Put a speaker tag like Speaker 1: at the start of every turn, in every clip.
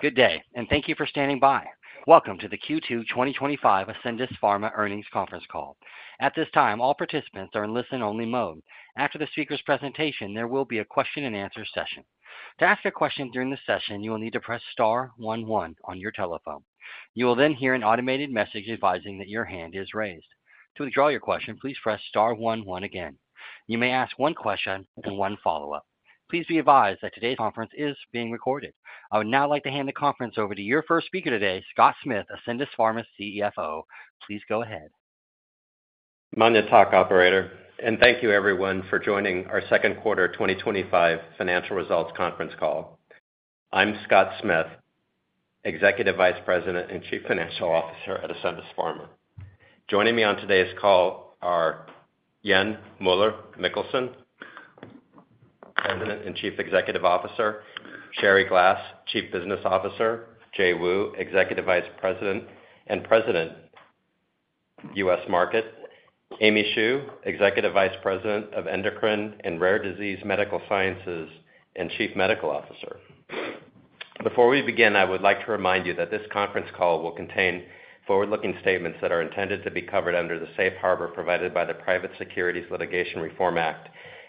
Speaker 1: Good day, and thank you for standing by. Welcome to the Q2 2025 Ascendis Pharma earnings conference call. At this time, all participants are in listen-only mode. After the speaker's presentation, there will be a question and answer session. To ask a question during this session, you will need to press star one one on your telephone. You will then hear an automated message advising that your hand is raised. To withdraw your question, please press star one one again. You may ask one question and one follow-up. Please be advised that today's conference is being recorded. I would now like to hand the conference over to your first speaker today, Scott Smith, Ascendis Pharma's CFO. Please go ahead.
Speaker 2: I'm on the talk operator, and thank you everyone for joining our second quarter 2025 financial results conference call. I'm Scott Smith, Executive Vice President and Chief Financial Officer at Ascendis Pharma. Joining me on today's call are Jan Møller Mikkelsen, President and Chief Executive Officer; Sherrie Glass, Chief Business Officer; Jay Donovan Wu, Executive Vice President and President of US Markets; Aimee Shu, Executive Vice President of Endocrine and Rare Disease Medical Sciences and Chief Medical Officer. Before we begin, I would like to remind you that this conference call will contain forward-looking statements that are intended to be covered under the safe harbor provided by the Private Securities Litigation Reform Act.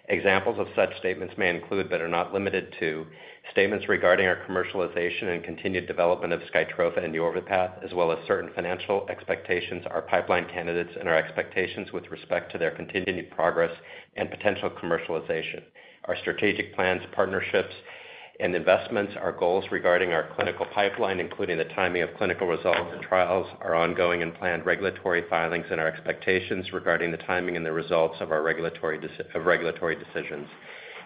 Speaker 2: Examples of such statements may include, but are not limited to, statements regarding our commercialization and continued development of SKYTROFA and YORVIPATH, as well as certain financial expectations, our pipeline candidates, and our expectations with respect to their continued progress and potential commercialization. Our strategic plans, partnerships, and investments, our goals regarding our clinical pipeline, including the timing of clinical results and trials, our ongoing and planned regulatory filings, and our expectations regarding the timing and the results of our regulatory decisions.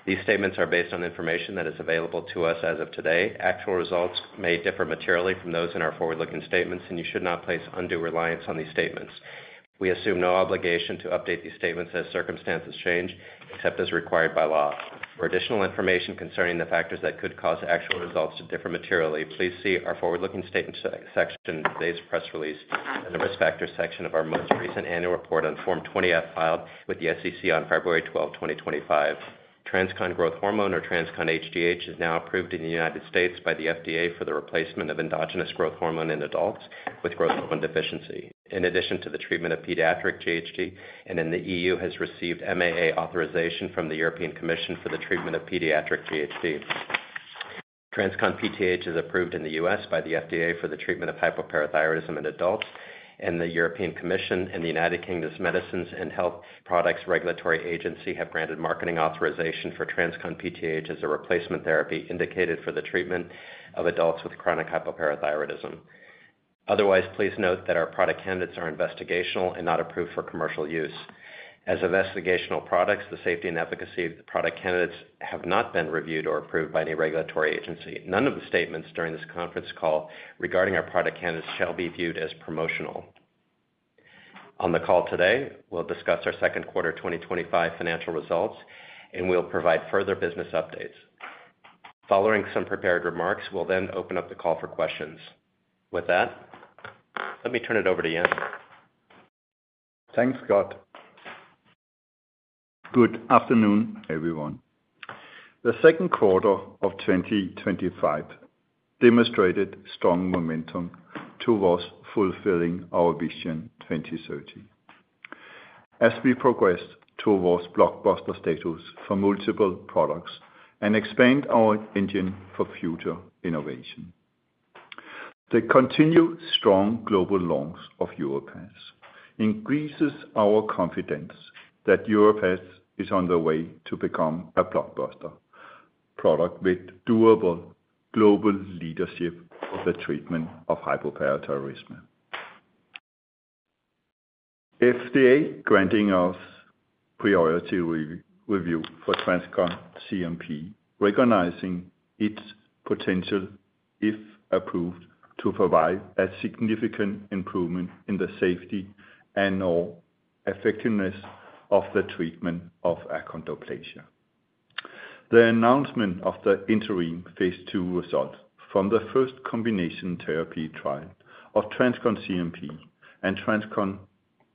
Speaker 2: These statements are based on information that is available to us as of today. Actual results may differ materially from those in our forward-looking statements, and you should not place undue reliance on these statements. We assume no obligation to update these statements as circumstances change, except as required by law. For additional information concerning the factors that could cause actual results to differ materially, please see our forward-looking statements section in today's press release and the risk factors section of our most recent annual report on Form 20 filed with the SEC on February 12, 2025. TransCon Growth Hormone is now approved in the U.S. by the FDA for the replacement of endogenous growth hormone in adults with growth hormone deficiency, in addition to the treatment of pediatric GHD, and in the EU has received MAA authorization from the European Commission for the treatment of pediatric GHD. TransCon PTH is approved in the U.S. by the FDA for the treatment of hypoparathyroidism in adults, and the European Commission and the United Kingdom's Medicines and Health Products Regulatory Agency have granted marketing authorization for TransCon PTH as a replacement therapy indicated for the treatment of adults with chronic hypoparathyroidism. Otherwise, please note that our product candidates are investigational and not approved for commercial use. As investigational products, the safety and efficacy of the product candidates have not been reviewed or approved by any regulatory agency. None of the statements during this conference call regarding our product candidates shall be viewed as promotional. On the call today, we'll discuss our second quarter 2025 financial results, and we'll provide further business updates. Following some prepared remarks, we'll then open up the call for questions. With that, let me turn it over to Jan.
Speaker 3: Thanks, Scott. Good afternoon, everyone. The second quarter of 2025 demonstrated strong momentum towards fulfilling our Vision 2030. As we progressed towards blockbuster status for multiple products and expand our engine for future innovation, the continued strong global launch of YORVIPATH increases our confidence that YORVIPATH is on the way to become a blockbuster product with durable global leadership for the treatment of chronic hypoparathyroidism. The FDA granted us priority review for TransCon CNP, recognizing its potential, if approved, to provide a significant improvement in the safety and/or effectiveness of the treatment of achondroplasia. The announcement of the interim Phase II data from the first combination therapy trial of TransCon CNP and TransCon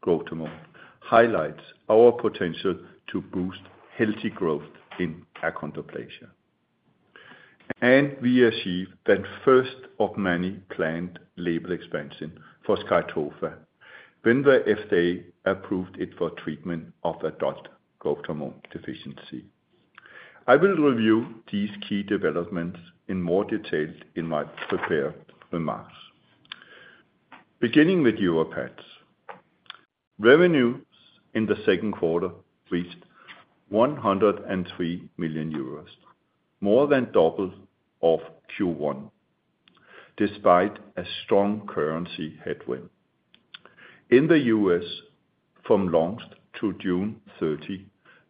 Speaker 3: Growth Hormone highlights our potential to boost healthy growth in achondroplasia. We achieved the first of many planned label expansions for SKYTROFA when the FDA approved it for treatment of adult growth hormone deficiency. I will review these key developments in more detail in my prepared remarks. Beginning with YORVIPATH, revenue in the second quarter reached 103 million euros, more than double Q1, despite a strong currency headwind. In the U.S., from launch to June 30,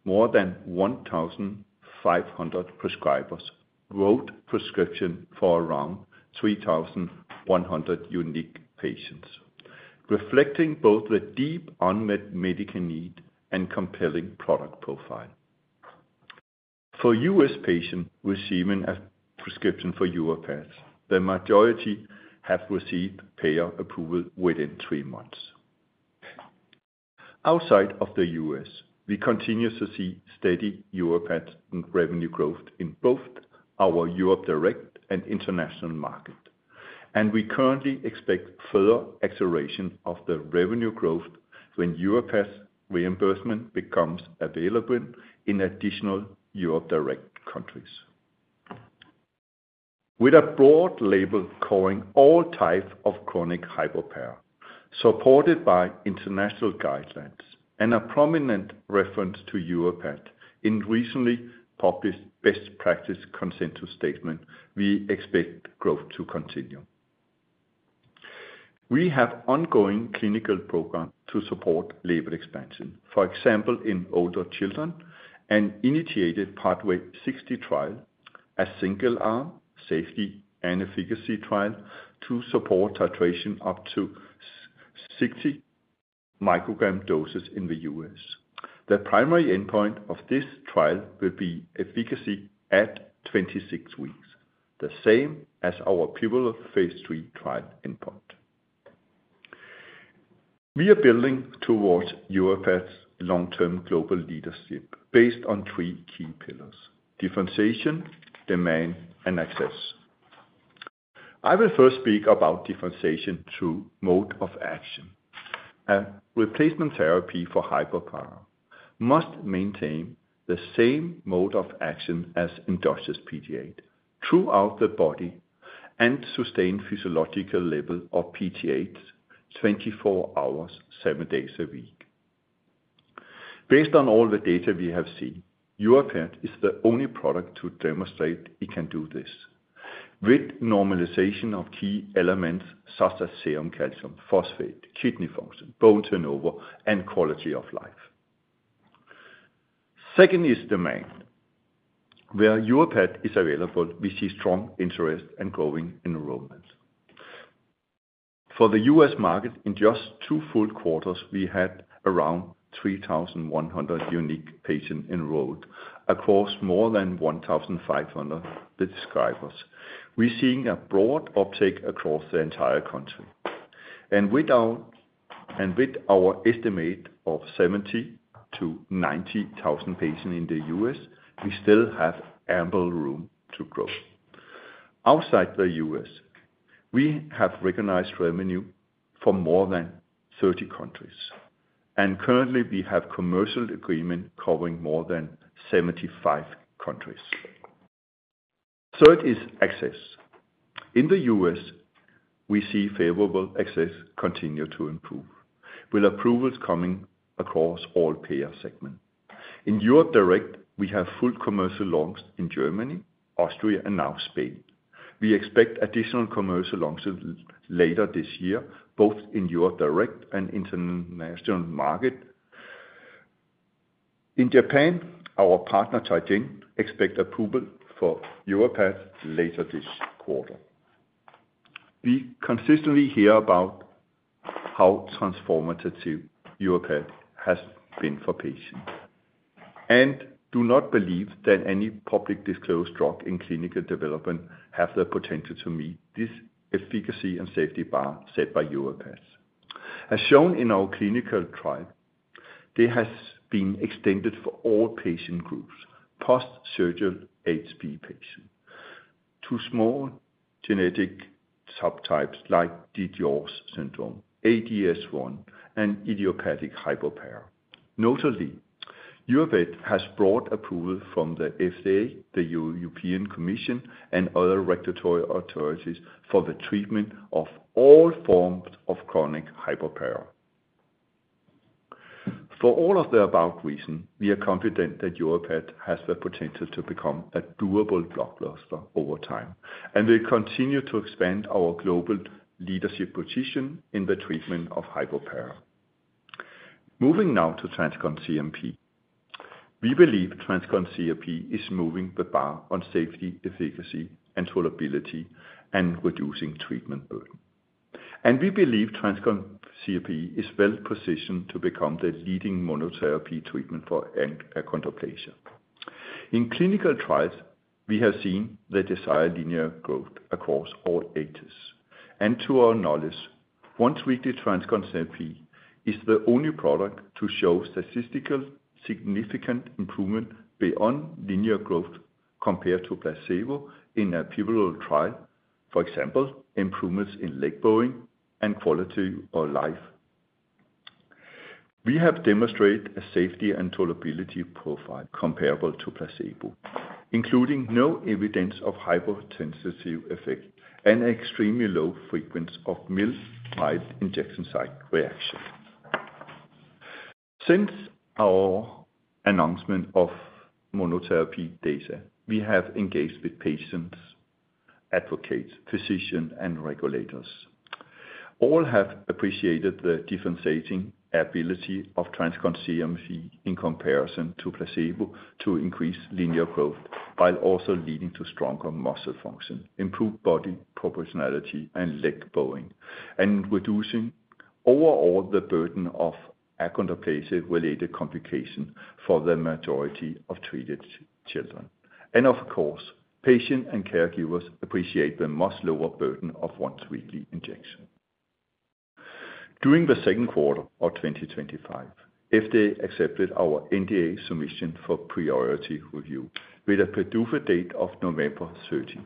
Speaker 3: more than 1,500 prescribers wrote prescriptions for around 3,100 unique patients, reflecting both a deep unmet medical need and compelling product profile. For U.S. patients receiving a prescription for YORVIPATH, the majority have received payer approval within three months. Outside of the U.S., we continue to see steady YORVIPATH revenue growth in both our Europe Direct and international markets, and we currently expect further acceleration of the revenue growth when YORVIPATH reimbursement becomes available in additional Europe Direct countries. With a broad label covering all types of chronic hypoparathyroidism, supported by international guidelines, and a prominent reference to YORVIPATH in recently published best practice consensus statement, we expect growth to continue. We have an ongoing clinical program to support label expansion, for example, in older children, and initiated the Pathway 60 trial, a single-arm, safety, and efficacy trial to support titration up to 60 microgram doses in the U.S. The primary endpoint of this trial will be efficacy at 26 weeks, the same as our pivotal Phase III trial endpoint. We are building towards YORVIPATH's long-term global leadership based on three key pillars: differentiation, demand, and access. I will first speak about differentiation through mode of action. A replacement therapy for hyperpara must maintain the same mode of action as endogenous PTH throughout the body and sustain a physiological level of PTH 24 hours, seven days a week. Based on all the data we have seen, YORVIPATH is the only product to demonstrate it can do this with normalization of key elements such as serum calcium, phosphate, kidney function, bone turnover, and quality of life. Second is demand. Where YORVIPATH is available, we see strong interest and growing enrollment. For the U.S. market, in just two full quarters, we had around 3,100 unique patients enrolled across more than 1,500 prescribers. We're seeing a broad uptake across the entire country. With our estimate of 70,000-90,000 patients in the U.S., we still have ample room to grow. Outside the U.S., we have recognized revenue from more than 30 countries, and currently, we have a commercial agreement covering more than 75 countries. Third is access. In the U.S., we see favorable access continue to improve, with approvals coming across all payer segments. In Europe Direct, we have full commercial launch in Germany, Austria, and now Spain. We expect additional commercial launches later this year, both in Europe Direct and international markets. In Japan, our partner expects approval for YORVIPATH later this quarter. We consistently hear about how transformative YORVIPATH has been for patients. We do not believe that any publicly disclosed drug in clinical development has the potential to meet this efficacy and safety bar set by YORVIPATH. As shown in our clinical trial, it has been extended for all patient groups, post-surgical HP patients, to small genetic subtypes like DiGeorge syndrome, ADS1, and idiopathic hyperparathyroidism. Notably, YORVIPATH has brought approval from the FDA, the European Commission, and other regulatory authorities for the treatment of all forms of chronic hypoparathyroidism. For all of the above reasons, we are confident that YORVIPATH has the potential to become a durable blockbuster over time and will continue to expand our global leadership position in the treatment of hyperparathyroidism. Moving now to TransCon CNP. We believe TransCon CNP is moving the bar on safety, efficacy, and tolerability and reducing treatment burden. We believe TransCon CNP is well positioned to become the leading monotherapy treatment for achondroplasia. In clinical trials, we have seen the desired linear growth across all ages. To our knowledge, once-weekly TransCon CNP is the only product to show statistically significant improvement beyond linear growth compared to placebo in a pivotal trial, for example, improvements in leg bowing and quality of life. We have demonstrated a safety and tolerability profile comparable to placebo, including no evidence of hypersensitivity effects and an extremely low frequency of mild injection site reactions. Since our announcement of monotherapy data, we have engaged with patients, advocates, physicians, and regulators. All have appreciated the differentiating ability of TransCon CNP in comparison to placebo to increase linear growth while also leading to stronger muscle function, improved body proportionality and leg bowing, and reducing overall the burden of achondroplasia-related complications for the majority of treated children. Patients and caregivers appreciate the much lower burden of once-weekly injection. During the second quarter of 2025, the FDA accepted our NDA submission for priority review with a PDUFA date of November 13,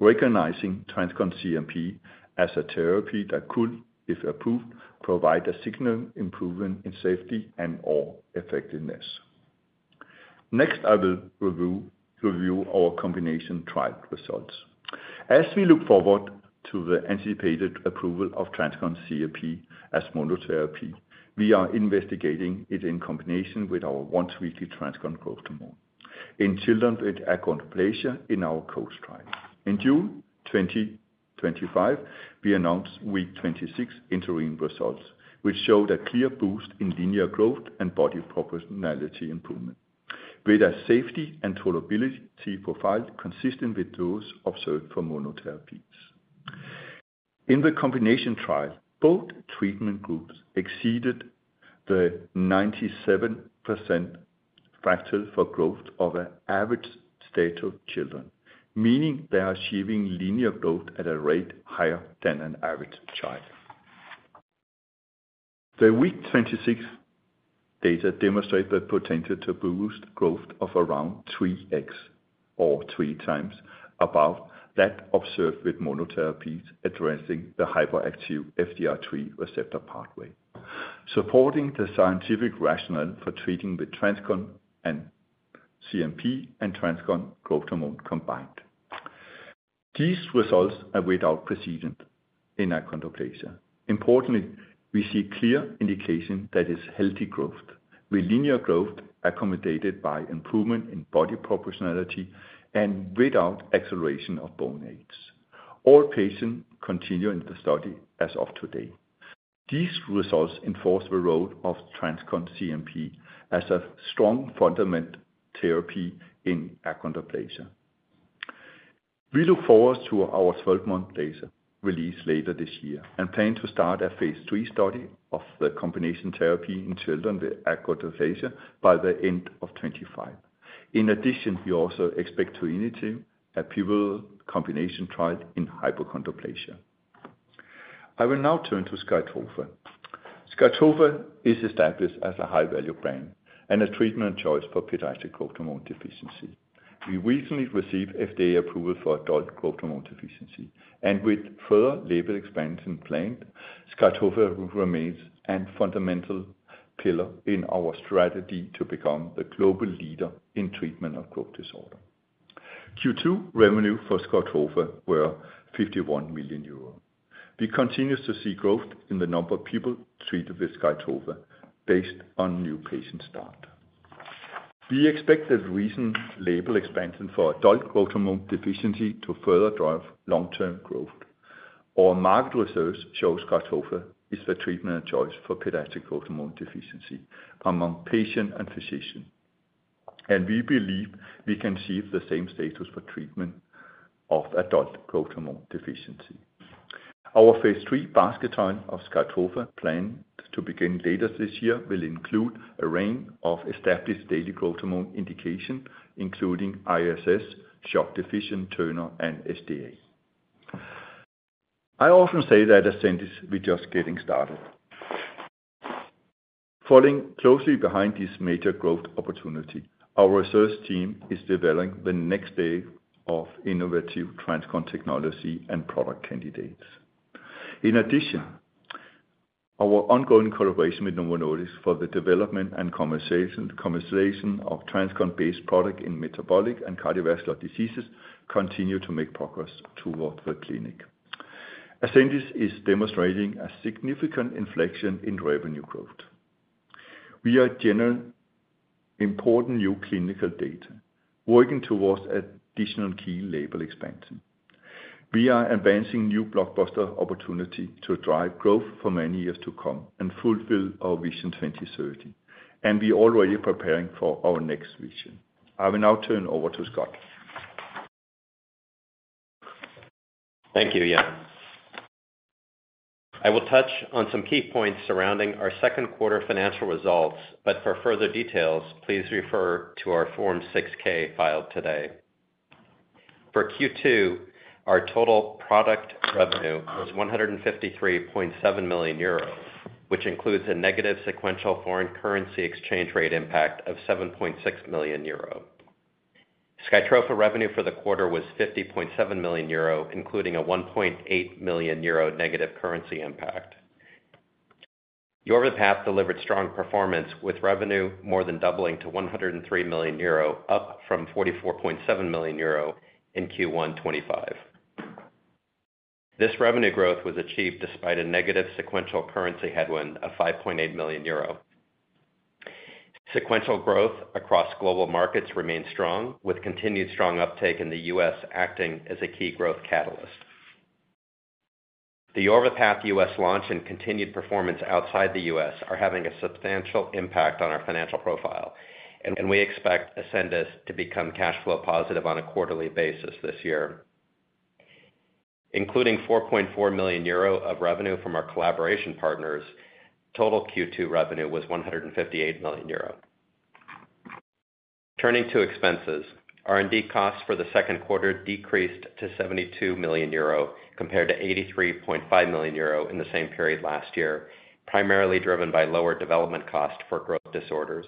Speaker 3: recognizing TransCon CNP as a therapy that could, if approved, provide a significant improvement in safety and/or effectiveness. Next, I will review our combination trial results. As we look forward to the anticipated approval of TransCon CNP as monotherapy, we are investigating it in combination with our once-weekly TransCon Growth Hormone in children with achondroplasia in our co-trial. In June 2025, we announced week 26 interim results, which showed a clear boost in linear growth and body proportionality improvement, with a safety and tolerability profile consistent with those observed for monotherapies. In the combination trial, both treatment groups exceeded the 97% threshold for growth of an average state of children, meaning they are achieving linear growth at a rate higher than an average child. The week 26 data demonstrated the potential to boost growth of around 3x, or 3x above that observed with monotherapies addressing the hyperactive FGFR3 receptor pathway, supporting the scientific rationale for treating with TransCon CNP and TransCon Growth Hormone combined. These results are without precedent in achondroplasia. Importantly, we see clear indications that it's healthy growth, with linear growth accommodated by improvement in body proportionality and without acceleration of bone age. All patients continue in the study as of today. These results enforce the role of TransCon CNP as a strong fundamental therapy in achondroplasia. We look forward to our 12-month release later this year and plan to start a Phase III study of the combination therapy in children with achondroplasia by the end of 2025. In addition, we also expect to initiate a pivotal combination trial in hypochondroplasia. I will now turn to SKYTROFA. SKYTROFA is established as a high-value brand and a treatment of choice for pediatric growth hormone deficiency. We recently received FDA approval for adult growth hormone deficiency, and with further label expansions planned, SKYTROFA remains a fundamental pillar in our strategy to become the global leader in the treatment of growth hormone disorder. Q2 revenue for SKYTROFA was 51 million euro. We continue to see growth in the number of people treated with SKYTROFA based on new patient stats. We expect the recent label expansion for adult growth hormone deficiency to further drive long-term growth. Our market research shows SKYTROFA is the treatment of choice for pediatric growth hormone deficiency among patients and physicians. We believe we can achieve the same status for treatment of adult growth hormone deficiency. Our Phase III basket trial of SKYTROFA, planned to begin later this year, will include a range of established daily growth hormone indications, including ISS, short stature Turner, and SGA. I often say that Ascendis Pharma is just getting started. Following closely behind this major growth opportunity, our research team is developing the next wave of innovative TransCon technology and product candidates. In addition, our ongoing collaboration with Novo Nordisk for the development and commercialization of TransCon-based products in metabolic and cardiovascular diseases continues to make progress towards the clinic. Ascendis Pharma is demonstrating a significant inflection in revenue growth. We are gathering important new clinical data, working towards additional key label expansions. We are advancing new blockbuster opportunities to drive growth for many years to come and fulfill our vision 2030. We are already preparing for our next vision. I will now turn it over to Scott.
Speaker 2: Thank you, Jan. I will touch on some key points surrounding our second quarter financial results, but for further details, please refer to our Form 6-K filed today. For Q2, our total product revenue was 153.7 million euros, which includes a negative sequential foreign currency exchange rate impact of 7.6 million euro. SKYTROFA revenue for the quarter was 50.7 million euro, including a 1.8 million euro negative currency impact. YORVIPATH delivered strong performance, with revenue more than doubling to 103 million euro, up from 44.7 million euro in Q1 2025. This revenue growth was achieved despite a negative sequential currency headwind of 5.8 million euro. Sequential growth across global markets remains strong, with continued strong uptake in the U.S. acting as a key growth catalyst. The YORVIPATH U.S. launch and continued performance outside the U.S. are having a substantial impact on our financial profile, and we expect Ascendis Pharma to become cash flow positive on a quarterly basis this year. Including 4.4 million euro of revenue from our collaboration partners, total Q2 revenue was 158 million euro. Turning to expenses, R&D costs for the second quarter decreased to 72 million euro, compared to 83.5 million euro in the same period last year, primarily driven by lower development costs for growth disorders.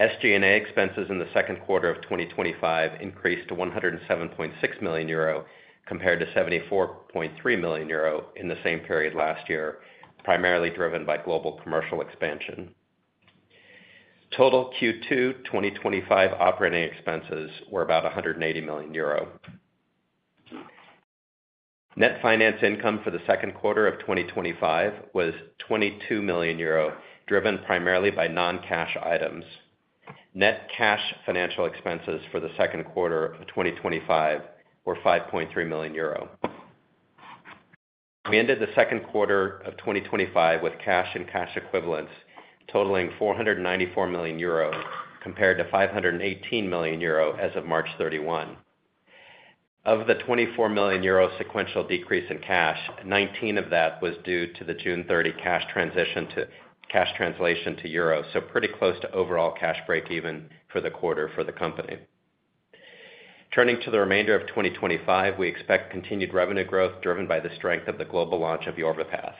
Speaker 2: SG&A expenses in the second quarter of 2025 increased to 107.6 million euro, compared to 74.3 million euro in the same period last year, primarily driven by global commercial expansion. Total Q2 2025 operating expenses were about 180 million euro. Net finance income for the second quarter of 2025 was 22 million euro, driven primarily by non-cash items. Net cash financial expenses for the second quarter of 2025 were 5.3 million euro. We ended the second quarter of 2025 with cash and cash equivalents totaling 494 million euro, compared to 518 million euro as of March 31. Of the 24 million euro sequential decrease in cash, 19 million of that was due to the June 30 cash translation to euros, so pretty close to overall cash break even for the quarter for the company. Turning to the remainder of 2025, we expect continued revenue growth driven by the strength of the global launch of YORVIPATH.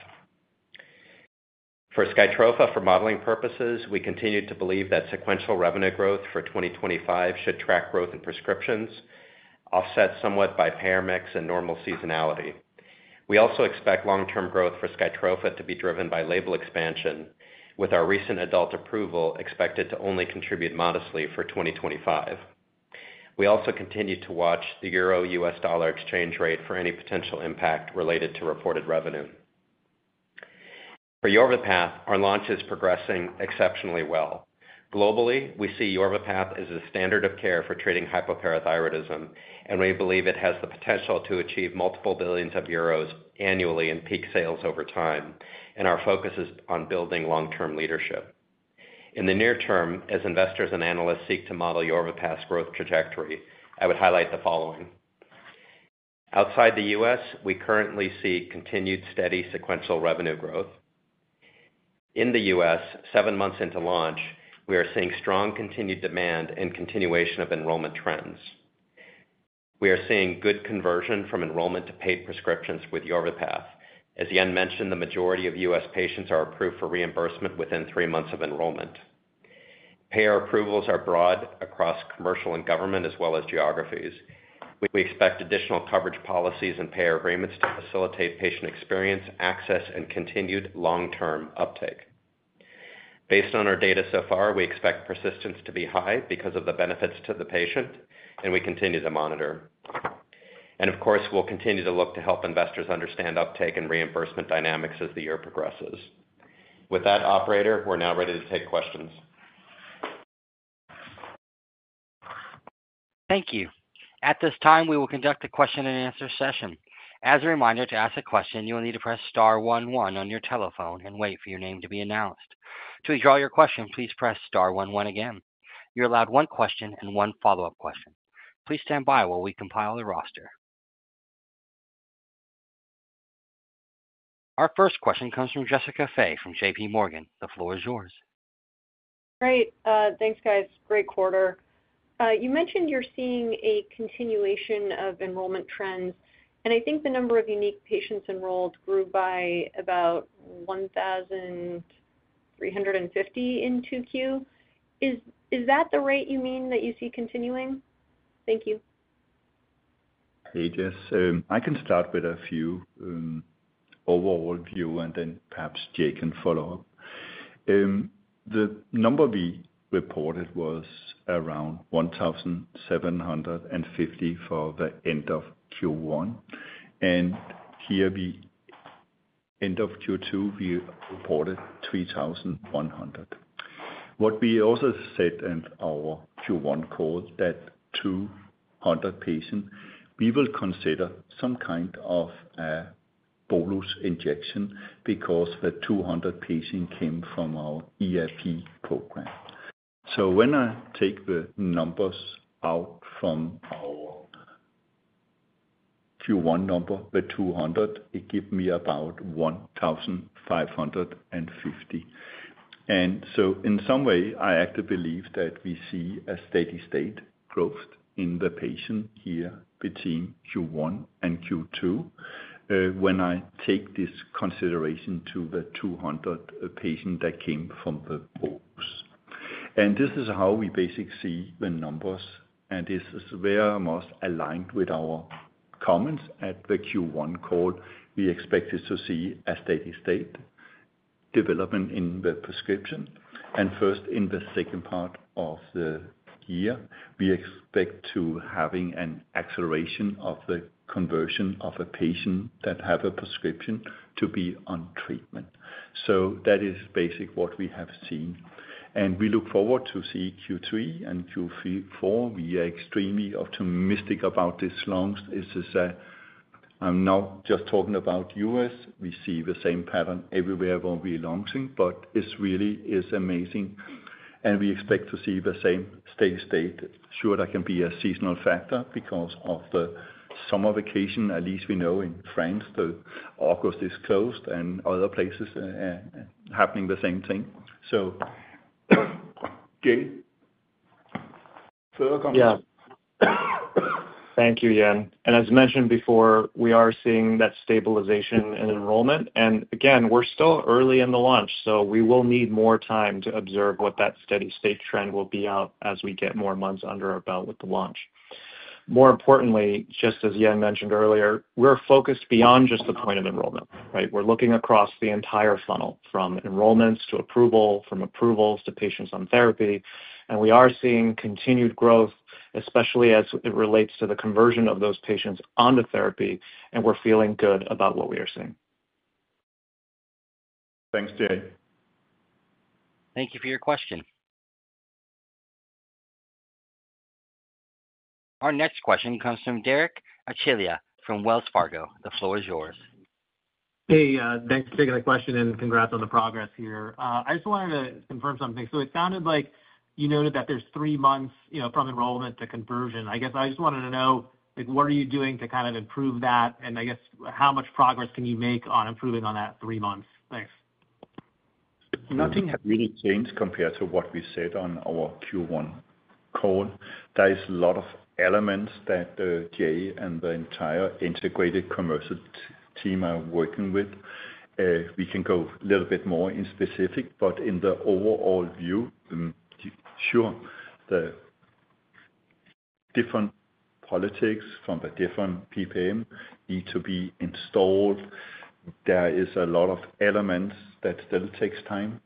Speaker 2: For SKYTROFA, for modeling purposes, we continue to believe that sequential revenue growth for 2025 should track growth in prescriptions, offset somewhat by payer mix and normal seasonality. We also expect long-term growth for SKYTROFA to be driven by label expansion, with our recent adult approval expected to only contribute modestly for 2025. We also continue to watch the euro/U.S. dollar exchange rate for any potential impact related to reported revenue. For YORVIPATH, our launch is progressing exceptionally well. Globally, we see YORVIPATH as a standard of care for treating chronic hypoparathyroidism, and we believe it has the potential to achieve multiple billions of euros annually in peak sales over time. Our focus is on building long-term leadership. In the near term, as investors and analysts seek to model YORVIPATH's growth trajectory, I would highlight the following. Outside the U.S., we currently see continued steady sequential revenue growth. In the U.S., seven months into launch, we are seeing strong continued demand and continuation of enrollment trends. We are seeing good conversion from enrollment to paid prescriptions with YORVIPATH. As Jan mentioned, the majority of U.S. patients are approved for reimbursement within three months of enrollment. Payer approvals are broad across commercial and government, as well as geographies. We expect additional coverage policies and payer agreements to facilitate patient experience, access, and continued long-term uptake. Based on our data so far, we expect persistence to be high because of the benefits to the patient, and we continue to monitor. We will continue to look to help investors understand uptake and reimbursement dynamics as the year progresses. With that, operator, we're now ready to take questions.
Speaker 1: Thank you. At this time, we will conduct a question-and-answer session. As a reminder, to ask a question, you will need to press star one one on your telephone and wait for your name to be announced. To withdraw your question, please press star one one again. You're allowed one question and one follow-up question. Please stand by while we compile the roster. Our first question comes from Jessica Fye from JPMorgan. The floor is yours.
Speaker 4: Hi. Thanks, guys. Great quarter. You mentioned you're seeing a continuation of enrollment trends, and I think the number of unique patients enrolled grew by about 1,350 in Q2. Is that the rate you mean that you see continuing? Thank you.
Speaker 3: Hey, Jess. I can start with a few overall views, and then perhaps Jay can follow up. The number we reported was around 1,750 for the end of Q1. Here, the end of Q2, we reported 3,100. What we also said in our Q1 call, that 200 patients, we will consider some kind of a bolus injection because the 200 patients came from our EFE program. When I take the numbers out from our Q1 number, the 200, it gives me about 1,550. In some way, I actually believe that we see a steady state growth in the patients here between Q1 and Q2 when I take this consideration to the 200 patients that came from the pool. This is how we basically see the numbers, and this is very much aligned with our comments at the Q1 call. We expect us to see a steady state development in the prescription. First, in the second part of the year, we expect to have an acceleration of the conversion of a patient that has a prescription to be on treatment. That is basically what we have seen. We look forward to seeing Q3 and Q4. We are extremely optimistic about this launch. I'm not just talking about the U.S. We see the same pattern everywhere where we're launching, but it really is amazing. We expect to see the same steady state. Sure, that can be a seasonal factor because of the summer vacation. At least we know in France, August is closed, and other places are happening the same thing. Jay, further comments?
Speaker 5: Thank you, Jan. As mentioned before, we are seeing that stabilization in enrollment. We're still early in the launch, so we will need more time to observe what that steady state trend will be as we get more months under our belt with the launch. More importantly, just as Jan mentioned earlier, we're focused beyond just the point of enrollment, right? We're looking across the entire funnel, from enrollments to approval, from approvals to patients on therapy. We are seeing continued growth, especially as it relates to the conversion of those patients onto therapy, and we're feeling good about what we are seeing.
Speaker 3: Thanks, Jay.
Speaker 1: Thank you for your question. Our next question comes from Derek Archila from Wells Fargo. The floor is yours.
Speaker 6: Thanks for taking that question, and congrats on the progress here. I just wanted to confirm something. It sounded like you noted that there's three months from enrollment to conversion. I just wanted to know, what are you doing to kind of improve that? I guess how much progress can you make on improving on that three months? Thanks.
Speaker 3: Nothing has really changed compared to what we said on our Q1 call. There are a lot of elements that Jay and the entire integrated commercial team are working with. We can go a little bit more in specific, but in the overall view, sure, the different politics from the different PPM need to be installed. There are a lot of elements that still take time.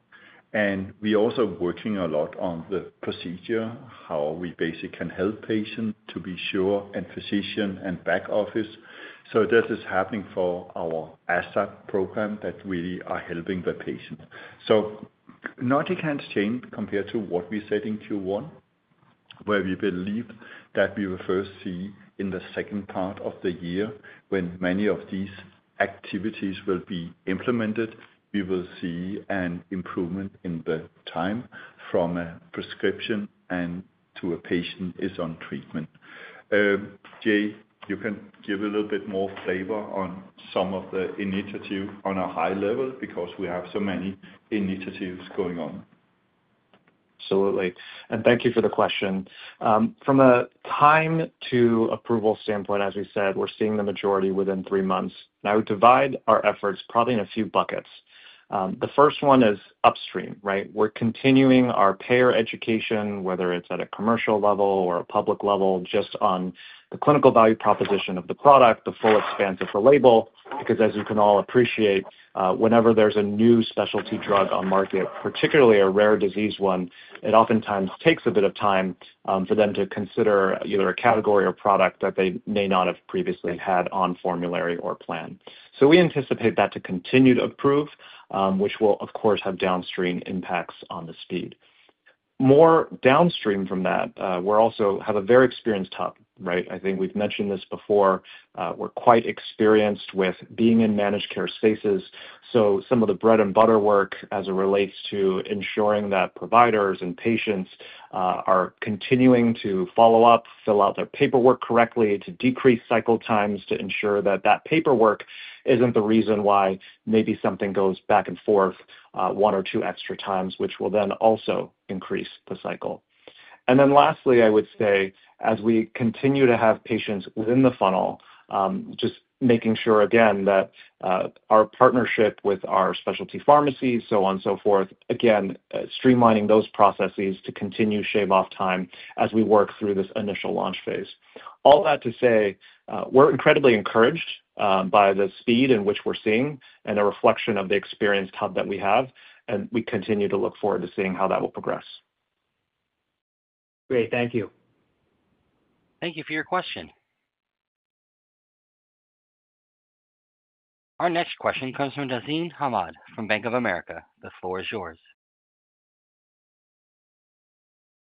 Speaker 3: We're also working a lot on the procedure, how we basically can help patients to be sure, and physicians and back office. This is happening for our ASAP program that we are helping the patient. Nothing has changed compared to what we said in Q1, where we believe that we will first see in the second part of the year when many of these activities will be implemented, we will see an improvement in the time from a prescription to a patient is on treatment. Jay, you can give a little bit more flavor on some of the initiatives on a high level because we have so many initiatives going on.
Speaker 5: Absolutely. Thank you for the question. From a time-to-approval standpoint, as we said, we're seeing the majority within three months. I would divide our efforts probably in a few buckets. The first one is upstream, right? We're continuing our payer education, whether it's at a commercial level or a public level, just on the clinical value proposition of the product, the full expanse of her label. As you can all appreciate, whenever there's a new specialty drug on the market, particularly a rare disease one, it oftentimes takes a bit of time for them to consider either a category or product that they may not have previously had on formulary or plan. We anticipate that to continue to improve, which will, of course, have downstream impacts on the speed. More downstream from that, we also have a very experienced hub, right? I think we've mentioned this before. We're quite experienced with being in managed care spaces. Some of the bread and butter work as it relates to ensuring that providers and patients are continuing to follow up, fill out their paperwork correctly, to decrease cycle times, to ensure that that paperwork isn't the reason why maybe something goes back and forth one or two extra times, which will then also increase the cycle. Lastly, I would say, as we continue to have patients within the funnel, just making sure again that our partnership with our specialty pharmacies, so on and so forth, again, streamlining those processes to continue shave-off time as we work through this initial launch phase. All that to say, we're incredibly encouraged by the speed in which we're seeing and a reflection of the experienced hub that we have. We continue to look forward to seeing how that will progress.
Speaker 6: Great. Thank you.
Speaker 1: Thank you for your question. Our next question comes from Tazeen Ahmad from Bank of America. The floor is yours.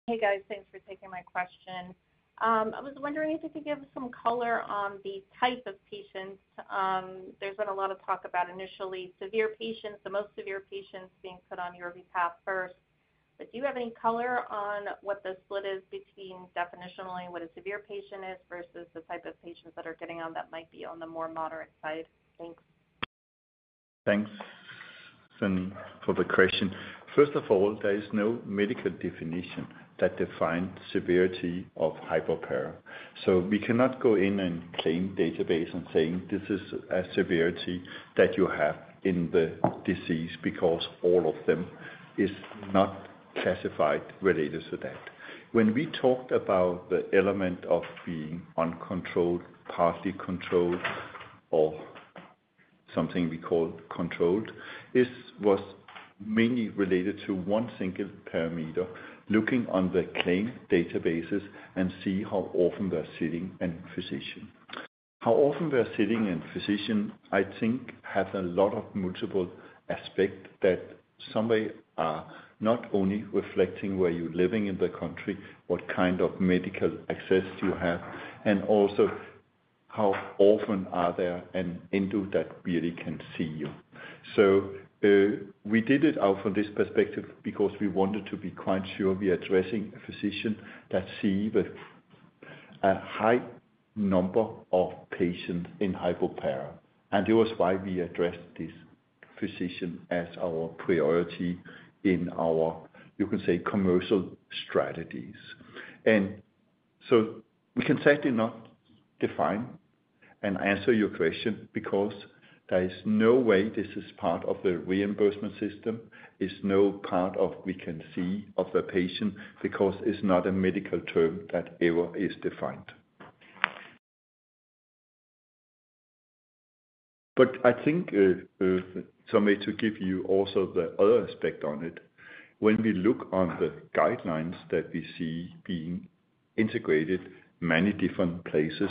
Speaker 7: Hey, guys. Thanks for taking my question. I was wondering if you could give some color on the type of patients. There's been a lot of talk about initially severe patients, the most severe patients being put on YORVIPATH first. Do you have any color on what the split is between definitionally what a severe patient is versus the type of patients that are getting on that might be on the more moderate side? Thanks.
Speaker 3: Thanks, Fanny, for the question. First of all, there is no medical definition that defines the severity of hyperparathyroidism. We cannot go in and claim a database and say this is a severity that you have in the disease because all of them are not classified related to that. When we talked about the element of being uncontrolled, partly controlled, or something we call controlled, it was mainly related to one single parameter, looking on the claim databases and seeing how often they're sitting in a physician. How often they're sitting in a physician, I think, has a lot of multiple aspects that someway are not only reflecting where you're living in the country, what kind of medical access do you have, and also how often are there individuals that really can see you. We did it out from this perspective because we wanted to be quite sure we are addressing a physician that sees a high number of patients in hyperparathyroidism. It was why we addressed this physician as our priority in our, you can say, commercial strategies. We can certainly not define and answer your question because there is no way this is part of the reimbursement system. It's no part of we can see of the patient because it's not a medical term that ever is defined. I think, someway to give you also the other aspect on it, when we look on the guidelines that we see being integrated in many different places,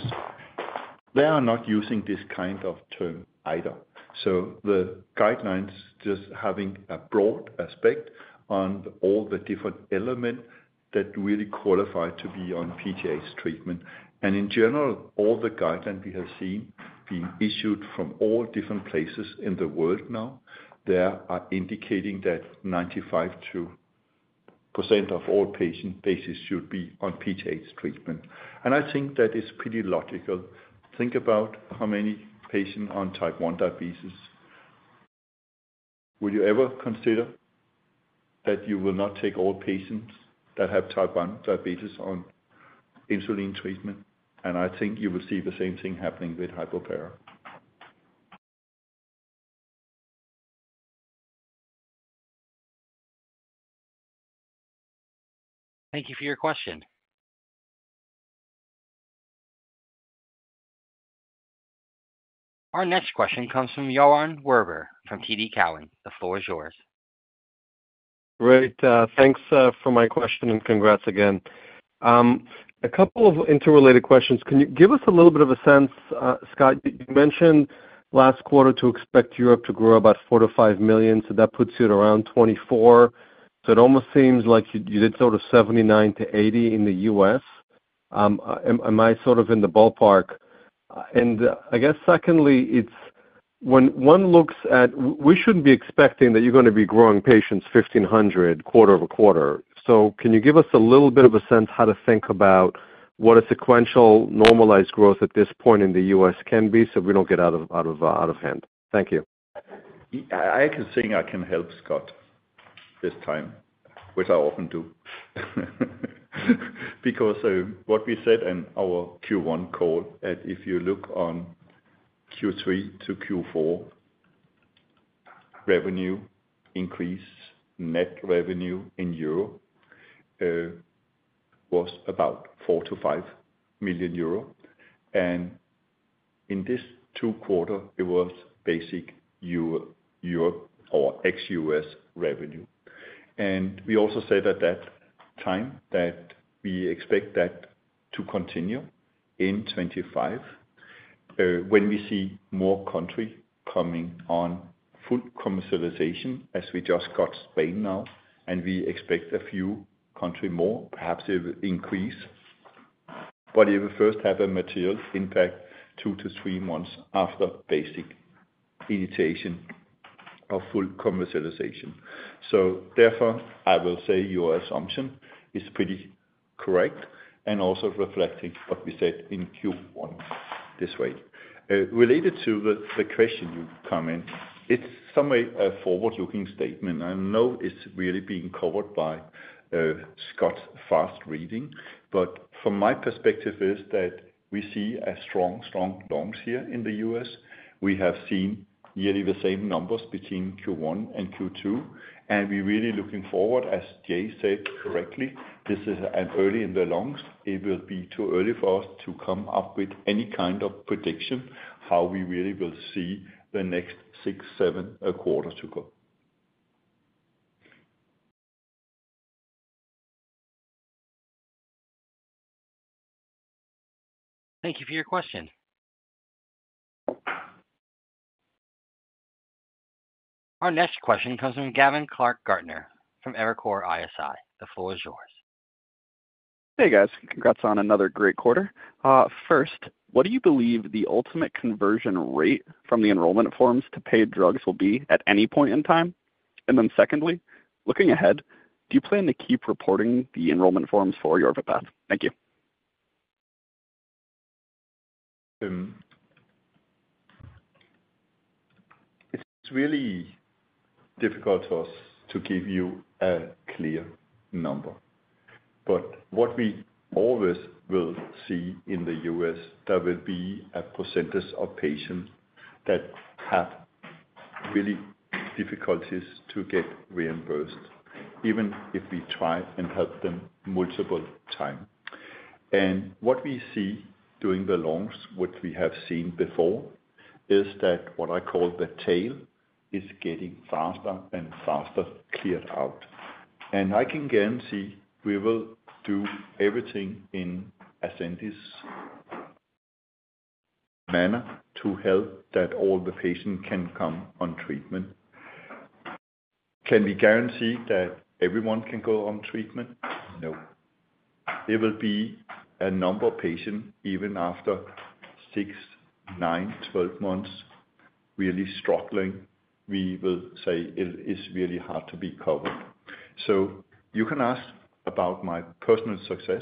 Speaker 3: they are not using this kind of term either. The guidelines just have a broad aspect on all the different elements that really qualify to be on PTH treatment. In general, all the guidelines we have seen being issued from all different places in the world now, they are indicating that 95% of all patient bases should be on PTH treatment. I think that is pretty logical. Think about how many patients on type 1 diabetes. Would you ever consider that you will not take all patients that have type 1 diabetes on insulin treatment? I think you will see the same thing happening with hyperparathyroidism.
Speaker 1: Thank you for your question. Our next question comes from Yaron Werber from TD Cowen. The floor is yours.
Speaker 8: Great. Thanks for my question and congrats again. A couple of interrelated questions. Can you give us a little bit of a sense, Scott? You mentioned last quarter to expect Europe to grow about 4 million-5 million. That puts you at around 24 million. It almost seems like you did sort of 79 million-80 million in the U.S. Am I sort of in the ballpark? I guess secondly, when one looks at it, we shouldn't be expecting that you're going to be growing patients 1,500 quarter over quarter. Can you give us a little bit of a sense of how to think about what a sequential normalized growth at this point in the U.S. can be so we don't get out of hand? Thank you.
Speaker 3: I can see I can help, Scott, this time, which I often do. Because what we said in our Q1 call, and if you look on Q3 to Q4, revenue increase, net revenue in euros was about 4 million-5 million euro. In these two quarters, it was basic euros or ex-U.S. revenue. We also said at that time that we expect that to continue in 2025 when we see more countries coming on full commercialization, as we just got Spain now. We expect a few countries more, perhaps it will increase. It will first have a material impact two to three months after basic initiation of full commercialization. I will say your assumption is pretty correct and also reflects what we said in Q1 this way. Related to the question you commented, it's somewhat a forward-looking statement. I know it's really being covered by Scott's fast reading. From my perspective, it is that we see a strong, strong launch here in the U.S. We have seen nearly the same numbers between Q1 and Q2. We're really looking forward, as Jay said correctly, this is early in the launch. It will be too early for us to come up with any kind of prediction how we really will see the next six, seven quarters to go.
Speaker 1: Thank you for your question. Our next question comes from Gavin Clark-Gartner from Evercore ISI. The floor is yours.
Speaker 9: Hey, guys. Congrats on another great quarter. First, what do you believe the ultimate conversion rate from the enrollment forms to paid drugs will be at any point in time? Secondly, looking ahead, do you plan to keep reporting the enrollment forms for YORVIPATH? Thank you.
Speaker 3: It's really difficult for us to give you a clear number. What we always will see in the U.S., there will be a percentage of patients that have really difficulties to get reimbursed, even if we try and help them multiple times. What we see during the launch, which we have seen before, is that what I call the tail is getting faster and faster cleared out. I can guarantee we will do everything in Ascendis' manner to help that all the patients can come on treatment. Can we guarantee that everyone can go on treatment? No. There will be a number of patients, even after 6, 9, 12 months, really struggling. We will say it's really hard to be covered. You can ask about my personal success.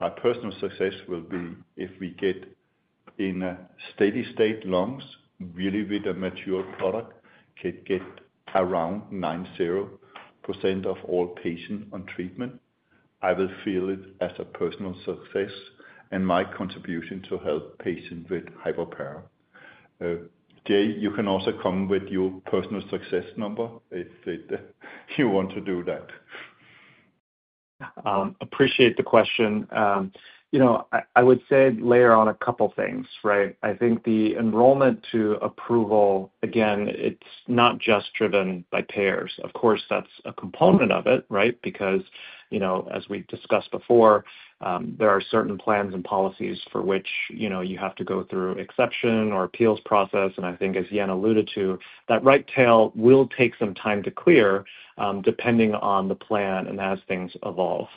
Speaker 3: My personal success will be if we get in a steady state launch, really with a mature product, can get around 90% of all patients on treatment. I will feel it as a personal success and my contribution to help patients with hypoparathyroidism. Jay, you can also come with your personal success number if you want to do that.
Speaker 5: Appreciate the question. I would say layer on a couple of things, right? I think the enrollment to approval, again, it's not just driven by payers. Of course, that's a component of it, right? As we discussed before, there are certain plans and policies for which you have to go through exception or appeals process. I think, as Jan alluded to, that right tail will take some time to clear depending on the plan and as things evolve.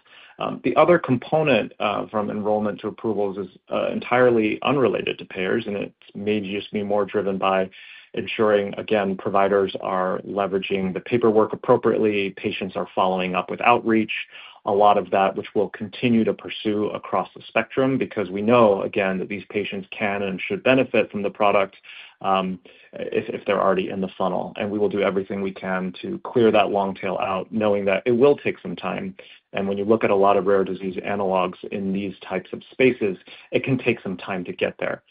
Speaker 5: The other component from enrollment to approvals is entirely unrelated to payers. It may just be more driven by ensuring providers are leveraging the paperwork appropriately, patients are following up with outreach, a lot of that, which we'll continue to pursue across the spectrum because we know that these patients can and should benefit from the product if they're already in the funnel. We will do everything we can to clear that long tail out, knowing that it will take some time. When you look at a lot of rare disease analogs in these types of spaces, it can take some time to get there.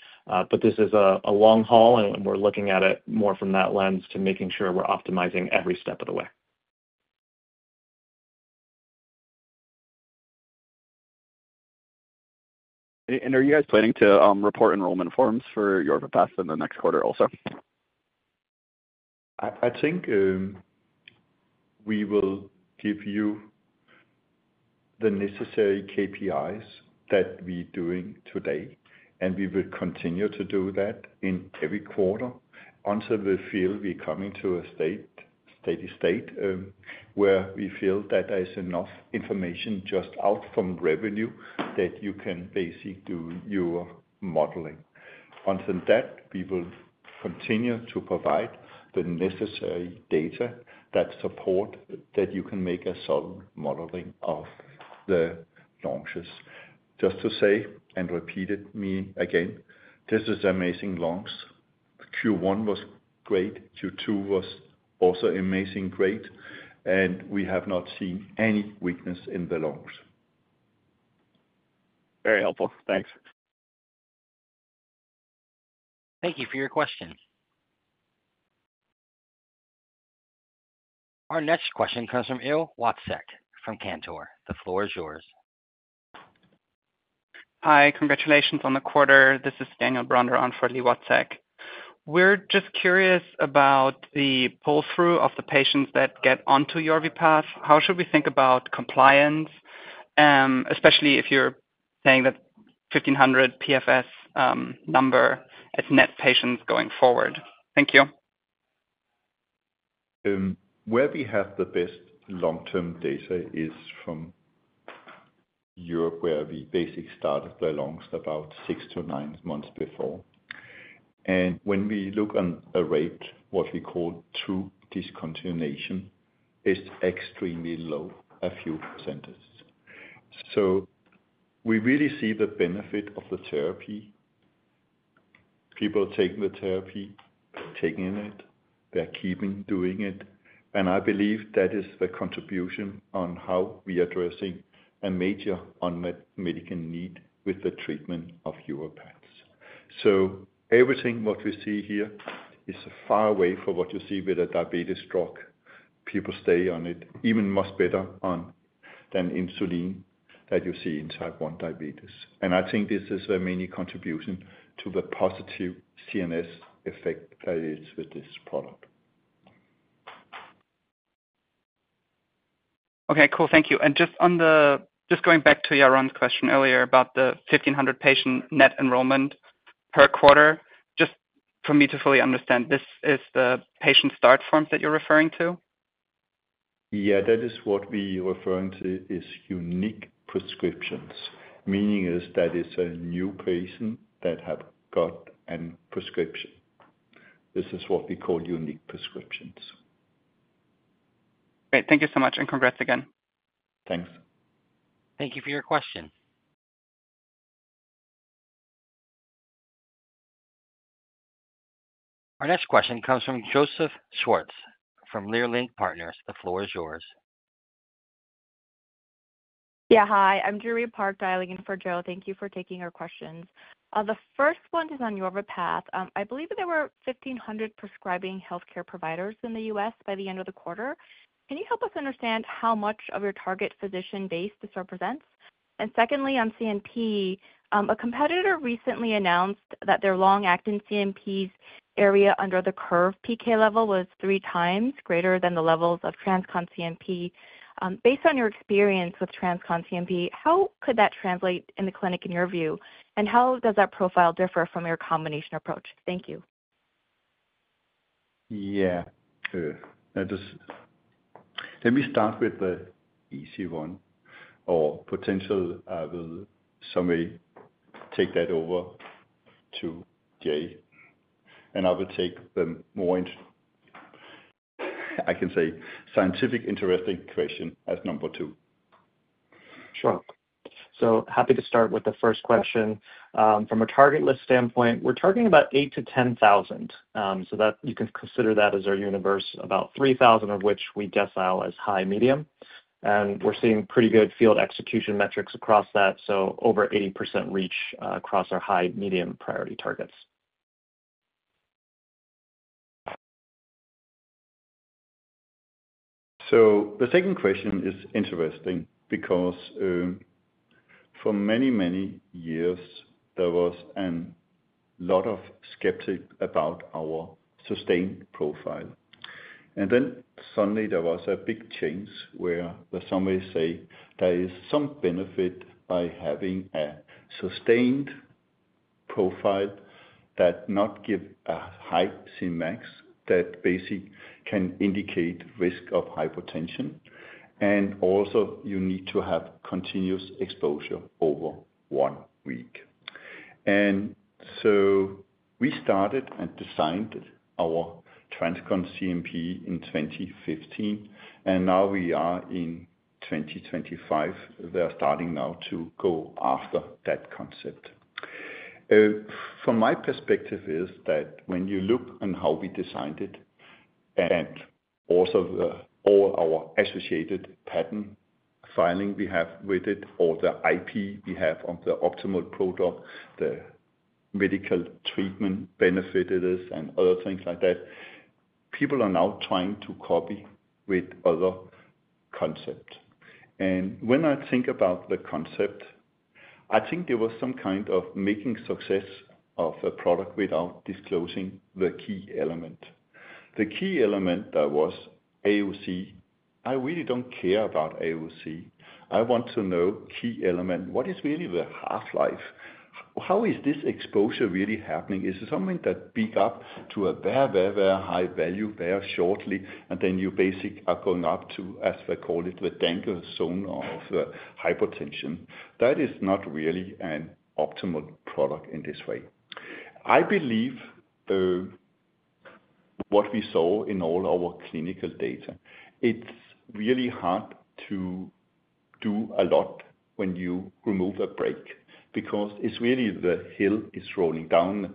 Speaker 5: This is a long haul, and we're looking at it more from that lens to making sure we're optimizing every step of the way.
Speaker 9: Are you guys planning to report enrollment forms for YORVIPATH in the next quarter also?
Speaker 3: I think we will give you the necessary KPIs that we're doing today. We will continue to do that every quarter until we feel we're coming to a steady state where we feel that there's enough information just out from revenue that you can basically do your modeling. Until that, we will continue to provide the necessary data that support that you can make a solid modeling of the launches. Just to say and repeat it again, this is an amazing launch. Q1 was great. Q2 was also amazingly great. We have not seen any weakness in the launch.
Speaker 9: Very helpful. Thanks.
Speaker 1: Thank you for your question. Our next question comes from Li Watsek from Cantor Fitzgerald. The floor is yours.
Speaker 10: Hi. Congratulations on the quarter. This is Daniel Bronder on for Li Watsek. We're just curious about the pull-through of the patients that get onto YORVIPATH. How should we think about compliance, especially if you're saying that 1,500 PFS number, it's net patients going forward. Thank you.
Speaker 3: Where we have the best long-term data is from Europe, where we basically started the launch about six to nine months before. When we look on a rate, what we call true discontinuation, it's extremely low, a few percent. We really see the benefit of the therapy. People are taking the therapy, taking it, they're keeping doing it. I believe that is the contribution on how we are addressing a major unmet medical need with the treatment of YORVIPATH. Everything we see here is a far way from what you see with a diabetes drug. People stay on it, even much better than insulin that you see in type 1 diabetes. I think this is a main contribution to the positive CNS effect that is with this product.
Speaker 10: OK, cool. Thank you. Just going back to Yaron's question earlier about the 1,500 patient net enrollment per quarter, just for me to fully understand, this is the patient start forms that you're referring to?
Speaker 3: Yeah, that is what we're referring to as unique prescriptions, meaning that it's a new patient that has got a prescription. This is what we call unique prescriptions.
Speaker 10: Great. Thank you so much. Congrats again.
Speaker 3: Thanks.
Speaker 1: Thank you for your question. Our next question comes from Joseph Schwartz from Leerink Partners. The floor is yours.
Speaker 11: Yeah, hi. I'm Joori Park, dialing in for Joe. Thank you for taking our questions. The first one is on YORVIPATH. I believe there were 1,500 prescribing health care providers in the U.S. by the end of the quarter. Can you help us understand how much of your target physician base this represents? Secondly, on TransCon CNP, a competitor recently announced that their long-acting CNP's area under the curve PK level was 3x greater than the levels of TransCon CNP. Based on your experience with TransCon CNP, how could that translate in the clinic in your view? How does that profile differ from your combination approach? Thank you.
Speaker 3: Yeah. Let me start with the easy one, or potentially, I will someway take that over to Jay Wu. I will take the more, I can say, scientific interesting question as number two.
Speaker 5: Sure. Happy to start with the first question. From a target list standpoint, we're talking about 8,000-10,000, so you can consider that as our universe, about 3,000 of which we decile as high-medium. We're seeing pretty good field execution metrics across that, with over 80% reach across our high-medium priority targets.
Speaker 3: The second question is interesting because for many, many years, there was a lot of skepticism about our sustained profile. Suddenly, there was a big change where somebody said there is some benefit by having a sustained profile that does not give a high Cmax, that basically can indicate risk of hypotension. You need to have continuous exposure over one week. We started and designed our TransCon CNP in 2015. Now we are in 2025. They're starting now to go after that concept. From my perspective, when you look at how we designed it and also all our associated patent filing we have with it, all the IP we have of the optimal product, the medical treatment benefit it is, and other things like that, people are now trying to copy with other concepts. When I think about the concept, I think there was some kind of making success of a product without disclosing the key element. The key element that was AOC. I really don't care about AOC. I want to know the key element, what is really the half-life? How is this exposure really happening? Is it something that picks up to a very, very, very high value very shortly, and then you basically are going up to, as they call it, the danger zone of hypotension? That is not really an optimal product in this way. I believe what we saw in all our clinical data, it's really hard to do a lot when you remove a brake because it's really the hill is rolling down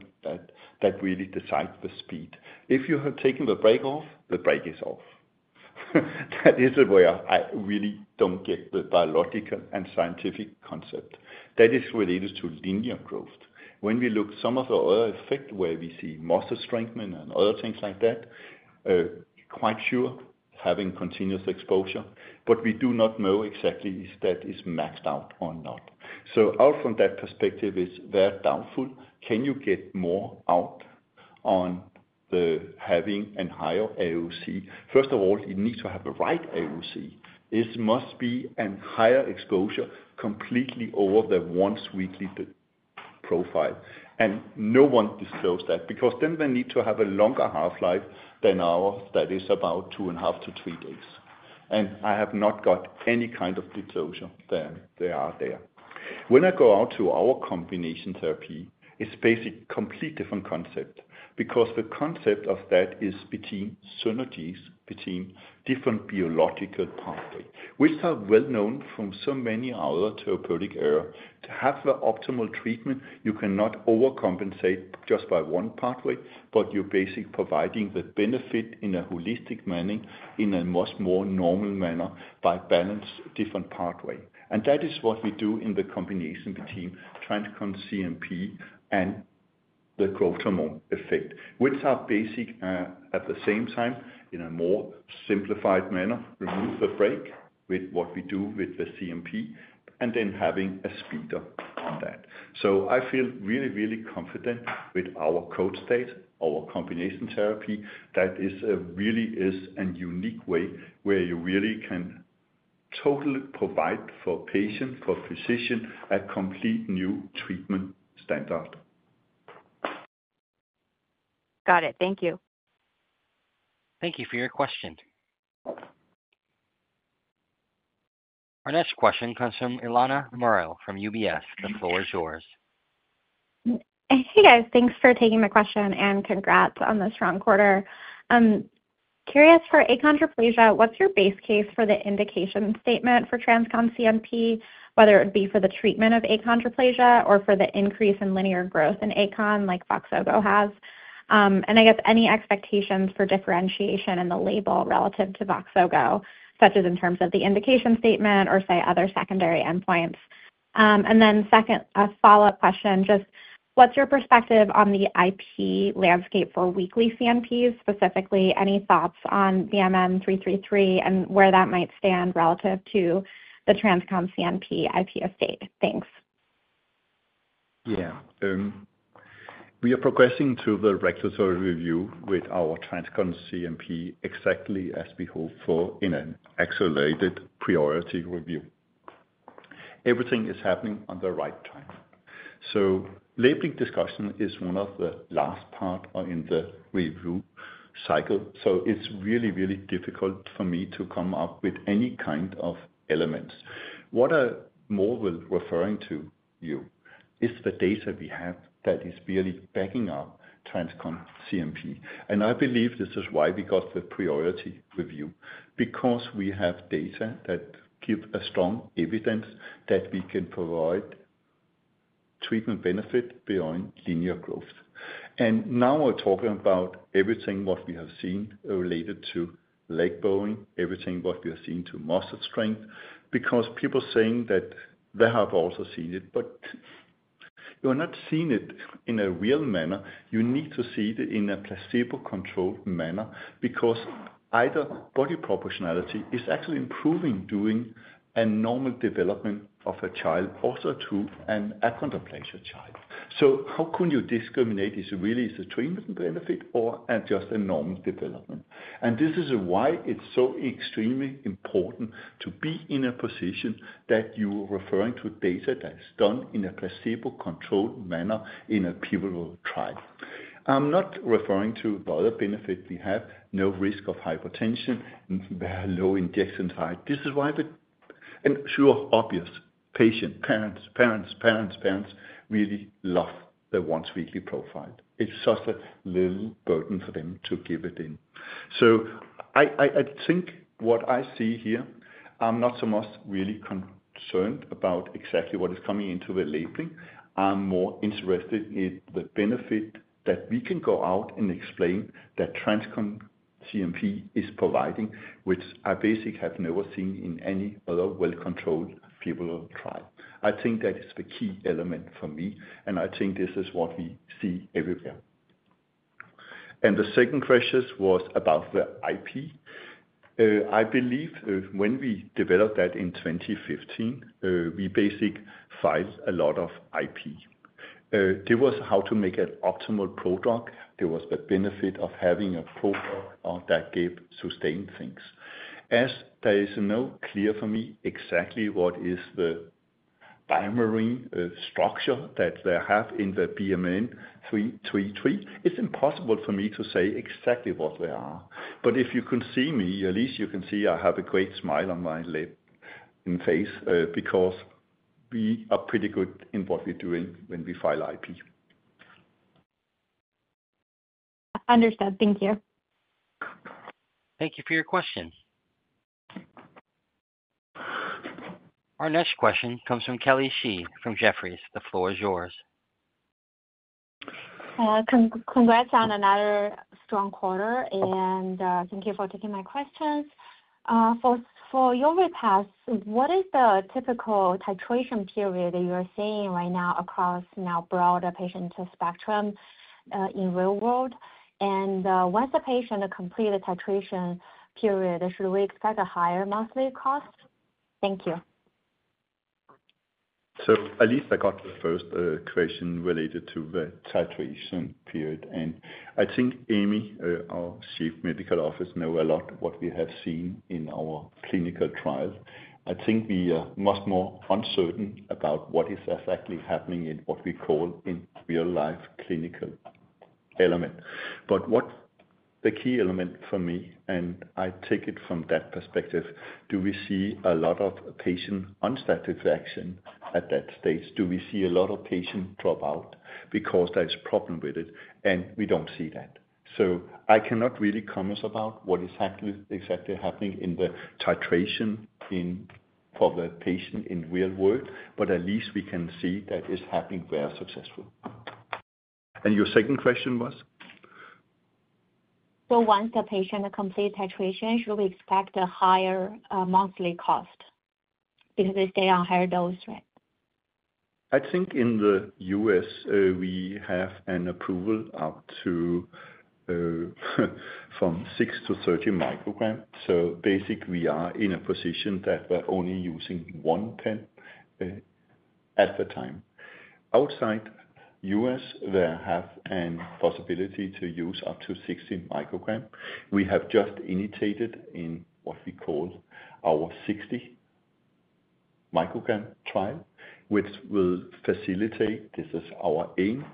Speaker 3: that really decides the speed. If you have taken the brake off, the brake is off. That is where I really don't get the biological and scientific concept. That is related to linear growth. When we look at some of the other effects where we see muscle strengthening and other things like that, I'm quite sure having continuous exposure. We do not know exactly if that is maxed out or not. Out from that perspective, it's very doubtful. Can you get more out on having a higher AOC? First of all, you need to have the right AOC. It must be a higher exposure completely over the once-weekly profile. No one discloses that because then they need to have a longer half-life than ours that is about 2.5-3 days. I have not got any kind of disclosure that they are there. When I go out to our combination therapy, it's basically a completely different concept because the concept of that is between synergies between different biological pathways, which are well known from so many other therapeutic areas. To have the optimal treatment, you cannot overcompensate just by one pathway, but you're basically providing the benefit in a holistic manner, in a much more normal manner by balancing different pathways. That is what we do in the combination between TransCon CNP and the Growth Hormone effect, which are basically at the same time in a more simplified manner, remove the brake with what we do with the CNP, and then having a speed on that. I feel really, really confident with our code state, our combination therapy. That really is a unique way where you really can totally provide for patients, for physicians, a completely new treatment standard.
Speaker 11: Got it. Thank you.
Speaker 1: Thank you for your question. Our next question comes from Eliana Merle from UBS. The floor is yours.
Speaker 12: Hey, guys. Thanks for taking my question and congrats on this round quarter. Curious, for achondroplasia, what's your base case for the indication statement for TransCon CNP, whether it would be for the treatment of achondroplasia or for the increase in linear growth in achondroplasia like VOXZOGO has, and I guess any expectations for differentiation in the label relative to VOXZOGO, such as in terms of the indication statement or, say, other secondary endpoints? A follow-up question. Just what's your perspective on the IP landscape for weekly CNPs? Specifically, any thoughts on BMN 333 and where that might stand relative to the TransCon CNP IP estate? Thanks.
Speaker 3: Yeah. We are progressing through the regulatory review with our TransCon CNP exactly as we hoped for in an accelerated priority review. Everything is happening at the right time. Labeling discussion is one of the last parts in the review cycle. It's really, really difficult for me to come up with any kind of elements. What I'm more referring to is the data we have that is really backing up TransCon CNP. I believe this is why we got the priority review, because we have data that gives us strong evidence that we can provide treatment benefits beyond linear growth. Now we're talking about everything we have seen related to leg bowing, everything we have seen to muscle strength, because people are saying that they have also seen it. You are not seeing it in a real manner. You need to see it in a placebo-controlled manner because either body proportionality is actually improving during a normal development of a child, also to an achondroplasia child. How can you discriminate if it really is a treatment benefit or just a normal development? This is why it's so extremely important to be in a position that you are referring to data that's done in a placebo-controlled manner in a properly controlled trial. I'm not referring to the other benefits we have, no risk of hypotension, very low injection site reactions. This is why, and sure, obviously, patients, parents, parents, parents, parents really love the once-weekly profile. It's just a little burden for them to give it. I think what I see here, I'm not so much really concerned about exactly what is coming into the labeling. I'm more interested in the benefit that we can go out and explain that TransCon CNP is providing, which I basically have never seen in any other well-controlled properly controlled trial. I think that is the key element for me. I think this is what we see everywhere. The second question was about the IP. I believe when we developed that in 2015, we basically filed a lot of IP. There was how to make an optimal product. There was the benefit of having a product that gave sustained things. As there is no clear for me exactly what is the BioMarin structure that they have in the BMN 333, it's impossible for me to say exactly what they are. If you can see me, at least you can see I have a great smile on my face because we are pretty good in what we're doing when we file IP.
Speaker 12: Understood. Thank you.
Speaker 1: Thank you for your question. Our next question comes from Kelly Shi from Jefferies. The floor is yours.
Speaker 13: Congrats on another strong quarter. Thank you for taking my questions. For YORVIPATH, what is the typical titration period that you're seeing right now across the broader patient spectrum in the real world? Once the patient completes the titration period, should we expect a higher monthly cost? Thank you.
Speaker 3: At least I got the first question related to the titration period. I think Aimee, our Chief Medical Officer, knows a lot of what we have seen in our clinical trials. I think we are much more uncertain about what is exactly happening in what we call in real-life clinical elements. What the key element for me, and I take it from that perspective, is do we see a lot of patient unsatisfaction at that stage? Do we see a lot of patients drop out because there is a problem with it? We don't see that. I cannot really comment about what is exactly happening in the titration for the patient in the real world, but at least we can see that it's happening very successfully. Your second question was?
Speaker 13: Once the patient completes titration, should we expect a higher monthly cost? Because they stay on a higher dose, right?
Speaker 3: I think in the U.S., we have an approval up to from 6 mcg-30 mcg. Basically, we are in a position that we're only using one pen at the time. Outside the U.S., they have a possibility to use up to 60 mcg. We have just initiated what we call our 60 mcg trial, which will facilitate this is our aim.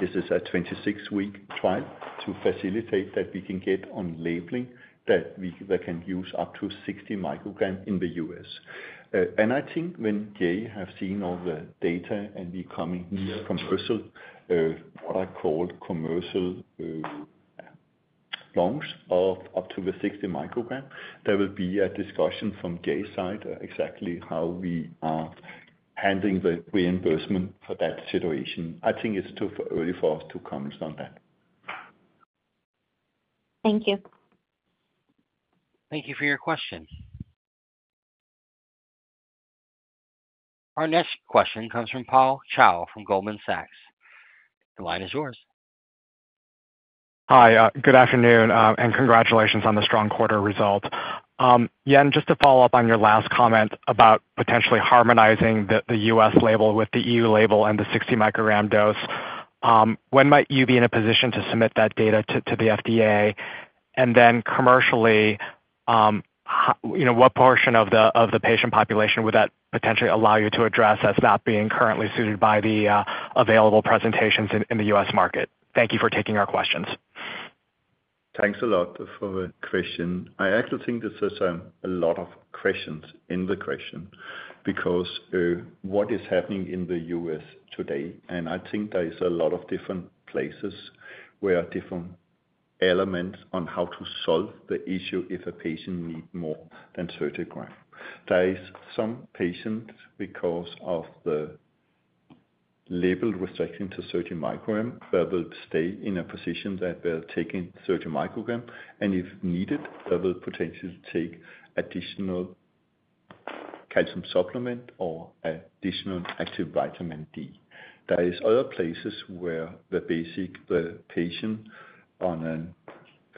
Speaker 3: This is a 26-week trial to facilitate that we can get on labeling that we can use up to 60 mcg in the U.S. I think when Jay has seen all the data and we're coming from what I call commercial launch of up to the 60 mcg, there will be a discussion from Jay's side exactly how we are handling the reimbursement for that situation. I think it's too early for us to comment on that.
Speaker 13: Thank you.
Speaker 1: Thank you for your question. Our next question comes from Paul Choi from Goldman Sachs. The line is yours.
Speaker 14: Hi. Good afternoon. Congratulations on the strong quarter results. Jan, just to follow up on your last comment about potentially harmonizing the U.S. label with the EU label and the 60 mcg dose, when might you be in a position to submit that data to the FDA? Commercially, what portion of the patient population would that potentially allow you to address as not being currently suited by the available presentations in the U.S. market? Thank you for taking our questions.
Speaker 3: Thanks a lot for the question. I actually think this is a lot of questions in the question because what is happening in the U.S. today, and I think there are a lot of different places where different elements on how to solve the issue if a patient needs more than 30 mcg. There are some patients because of the label restricting to 30 mcg, they will stay in a position that they're taking 30 mcg. If needed, they will potentially take additional calcium supplements or additional active vitamin D. There are other places where the basic patient on a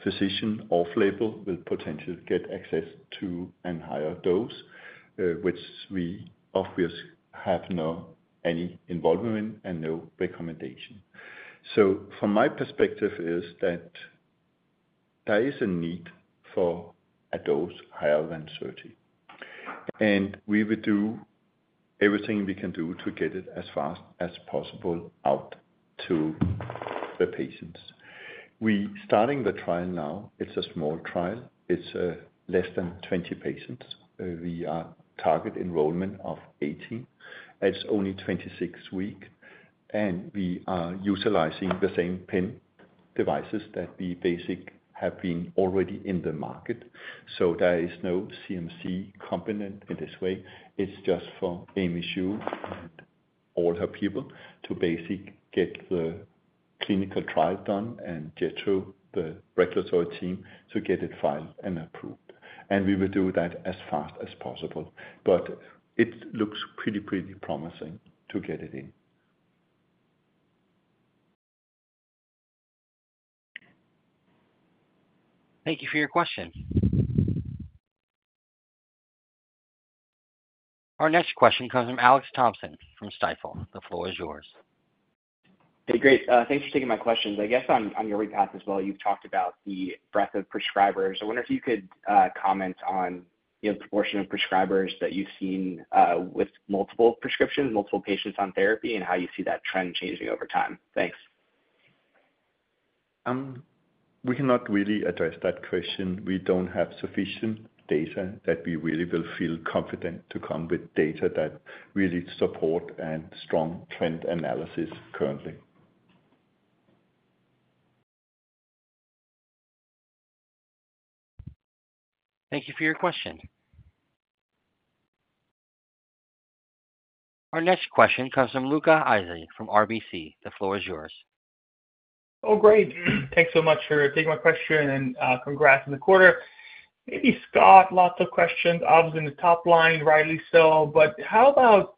Speaker 3: physician off-label will potentially get access to a higher dose, which we obviously have no involvement in and no recommendation. From my perspective, it is that there is a need for a dose higher than 30. We will do everything we can do to get it as fast as possible out to the patients. We are starting the trial now. It's a small trial. It's less than 20 patients. We are targeting enrollment of 18. It's only 26 weeks. We are utilizing the same pen devices that we basically have been already in the market. There is no CMC component in this way. It's just for Aimee Shu and all her people to basically get the clinical trial done and get through the regulatory team to get it filed and approved. We will do that as fast as possible. It looks pretty, pretty promising to get it in.
Speaker 1: Thank you for your question. Our next question comes from Alex Thompson from Stifel. The floor is yours.
Speaker 15: Hey, great. Thanks for taking my questions. I guess on YORVIPATH as well, you've talked about the breadth of prescribers. I wonder if you could comment on the proportion of prescribers that you've seen with multiple prescriptions, multiple patients on therapy, and how you see that trend changing over time. Thanks.
Speaker 3: We cannot really address that question. We don't have sufficient data that we really will feel confident to come with data that really supports a strong trend analysis currently.
Speaker 1: Thank you for your question. Our next question comes from Luca Issi from RBC. The floor is yours.
Speaker 16: Oh, great. Thanks so much, Sherrie, for taking my question and congrats on the quarter. Maybe Scott, lots of questions, obviously, in the top line, rightly so. How about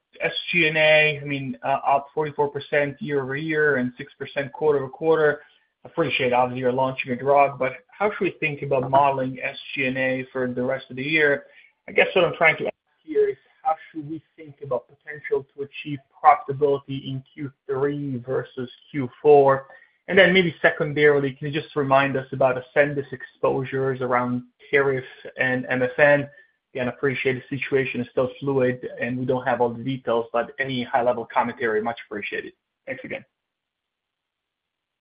Speaker 16: SG&A? I mean, up 44% year-over-year and 6% quarter-over-quarter. I appreciate, obviously, you're launching a drug, but how should we think about modeling SG&A for the rest of the year? I guess what I'm trying to hear is how should we think about the potential to achieve profitability in Q3 versus Q4? Maybe secondarily, can you just remind us about Ascendis exposures around Caris and MSN? I appreciate the situation is still fluid and we don't have all the details, but any high-level commentary, much appreciated. Thanks again.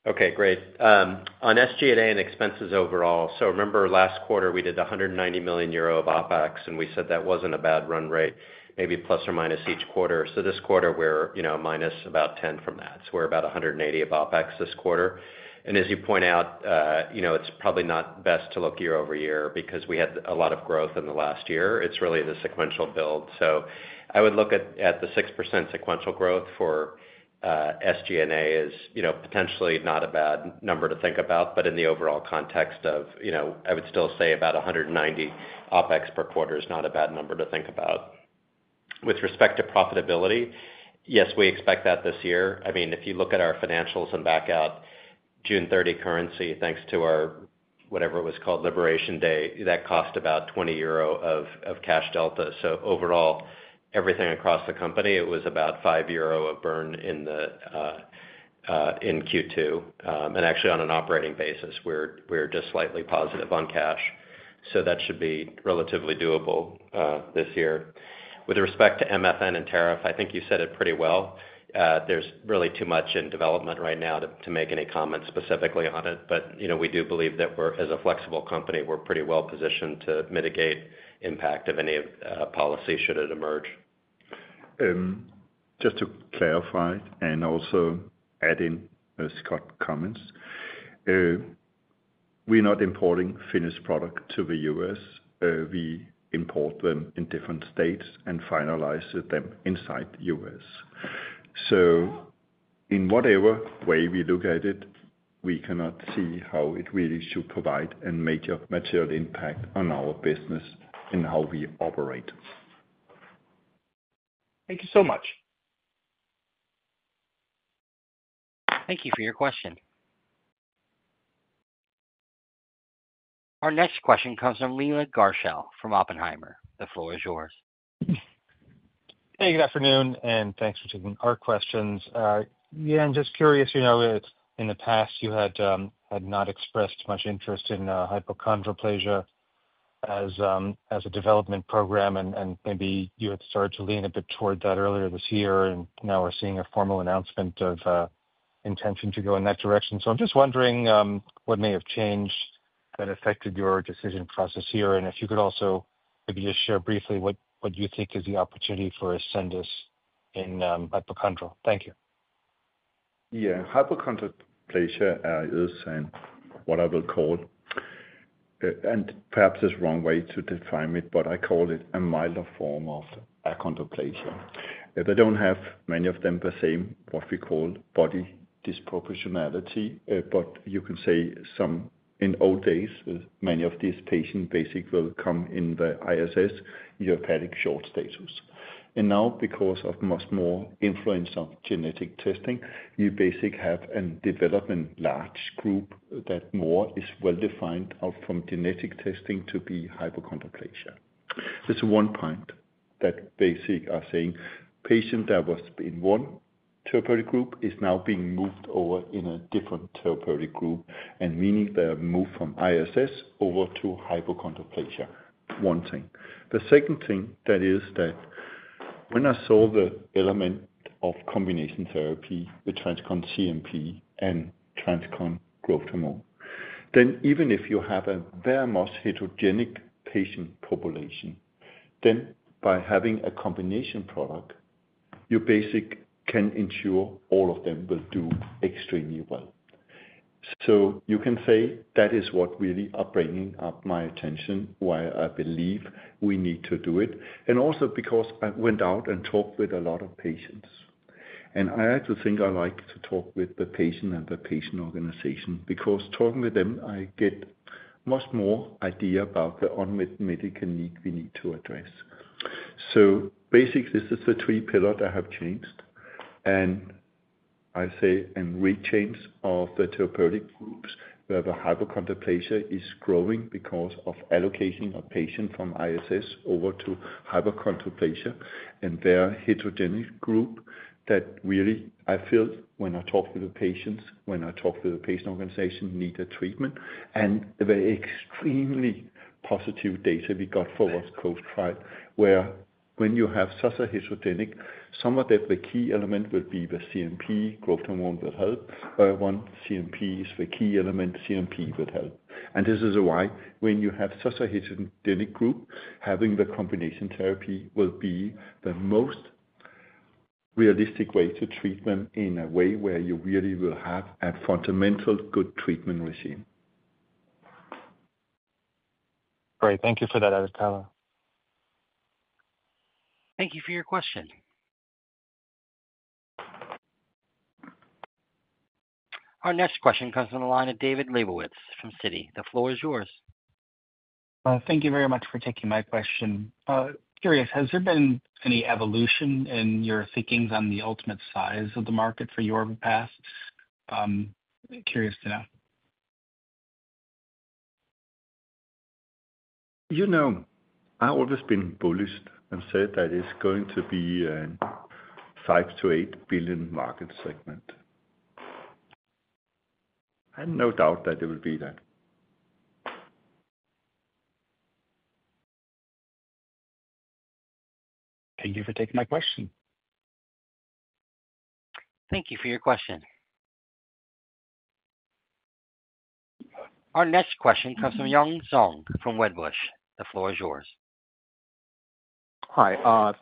Speaker 2: Okay, great. On SG&A and expenses overall, remember last quarter we did the 190 million euro of OpEx, and we said that wasn't a bad run rate, maybe plus or minus each quarter. This quarter, we're minus about 10 from that, so we're about 180 million of OpEx this quarter. As you point out, it's probably not best to look year-over-year because we had a lot of growth in the last year. It's really in the sequential build. I would look at the 6% sequential growth for SG&A as potentially not a bad number to think about. In the overall context, I would still say about 190 million OpEx per quarter is not a bad number to think about. With respect to profitability, yes, we expect that this year. If you look at our financials and back out June 30 currency, thanks to our, whatever it was called, liberation day, that cost about 20 million euro of cash delta. Overall, everything across the company, it was about 5 million euro of burn in Q2. Actually, on an operating basis, we're just slightly positive on cash. That should be relatively doable this year. With respect to MSN and tariff, I think you said it pretty well. There's really too much in development right now to make any comments specifically on it. We do believe that as a flexible company, we're pretty well positioned to mitigate the impact of any policy should it emerge.
Speaker 3: Just to clarify and also add in Scott's comments, we're not importing Finnish products to the U.S. We import them in different states and finalize them inside the U.S. In whatever way we look at it, we cannot see how it really should provide a major material impact on our business and how we operate.
Speaker 16: Thank you so much.
Speaker 1: Thank you for your question. Our next question comes from Leland Gershell from Oppenheimer. The floor is yours.
Speaker 17: Thank you. Good afternoon, and thanks for taking our questions. I'm just curious, in the past, you had not expressed much interest in hypochondroplasia as a development program. Maybe you had started to lean a bit toward that earlier this year. Now we're seeing a formal announcement of the intention to go in that direction. I'm just wondering what may have changed that affected your decision process here. If you could also maybe just share briefly what you think is the opportunity for Ascendis Pharma in hypochondroplasia. Thank you.
Speaker 3: Yeah, hypochondroplasia is what I will call, and perhaps it's the wrong way to define it, but I call it a milder form of achondroplasia. They don't have many of the same, what we call, body disproportionality. You can say some in old days, many of these patients basically will come in the ISS, your hepatic short status. Now, because of much more influence of genetic testing, you basically have a development large group that more is well-defined from genetic testing to be hypochondroplasia. It's one point that basically is saying a patient that was in one therapeutic group is now being moved over in a different therapeutic group, meaning they're moved from ISS over to hypochondroplasia. One thing. The second thing is that when I saw the element of combination therapy with TransCon CNP and TransCon Growth Hormone, then even if you have a very much heterogeneous patient population, by having a combination product, you basically can ensure all of them will do extremely well. You can say that is what really is bringing up my attention why I believe we need to do it. Also, because I went out and talked with a lot of patients. I actually think I like to talk with the patient and the patient organization because talking with them, I get much more idea about the unmet medical need we need to address. Basically, this is the three pillars that have changed. I say a re-change of the therapeutic groups where the hypochondroplasia is growing because of allocation of patients from ISS over to hypochondroplasia. They're a heterogeneous group that really, I feel, when I talk to the patients, when I talk to the patient organization, need a treatment. The extremely positive data we got for the first trial where when you have such a heterogeneous, some of the key elements will be the CNP. Growth Hormone will help. One CNP is the key element. CNP will help. This is why we. Have such a hesitant clinic group. Having the combination therapy will be the most realistic way to treat them in a way where you really will have a fundamental good treatment regime.
Speaker 17: Great, thank you for that color.
Speaker 1: Thank you for your question. Our next question comes from the line of David Lebowitz from Citi. The floor is yours.
Speaker 18: Thank you very much for taking my question. Curious, has there been any evolution in your thinking on the ultimate size of the market for YORVIPATH? Curious to know.
Speaker 3: You know, I've always been bullish and said that it's going to be a 5 billion-8 billion market segment. I have no doubt that it will be there.
Speaker 18: Thank you for taking my question.
Speaker 1: Thank you for your question. Our next question comes from Yun Zhong from Wedbush. The floor is yours.
Speaker 19: Hi,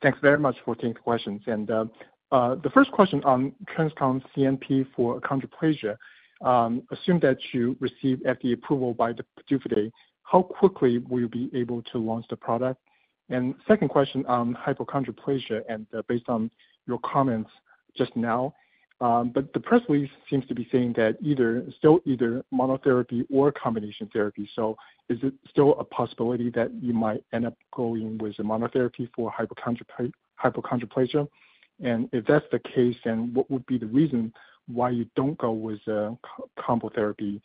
Speaker 19: thanks very much for taking the questions. The first question on TransCon CNP for achondroplasia. Assume that you receive FDA approval by the PDUFA date. How quickly will you be able to launch the product? The second question on hypochondroplasia, and based on your comments just now, but the press release seems to be saying that either still either monotherapy or combination therapy. Is it still a possibility that you might end up going with a monotherapy for hypochondroplasia? If that's the case, then what would be the reason why you don't go with a combo therapy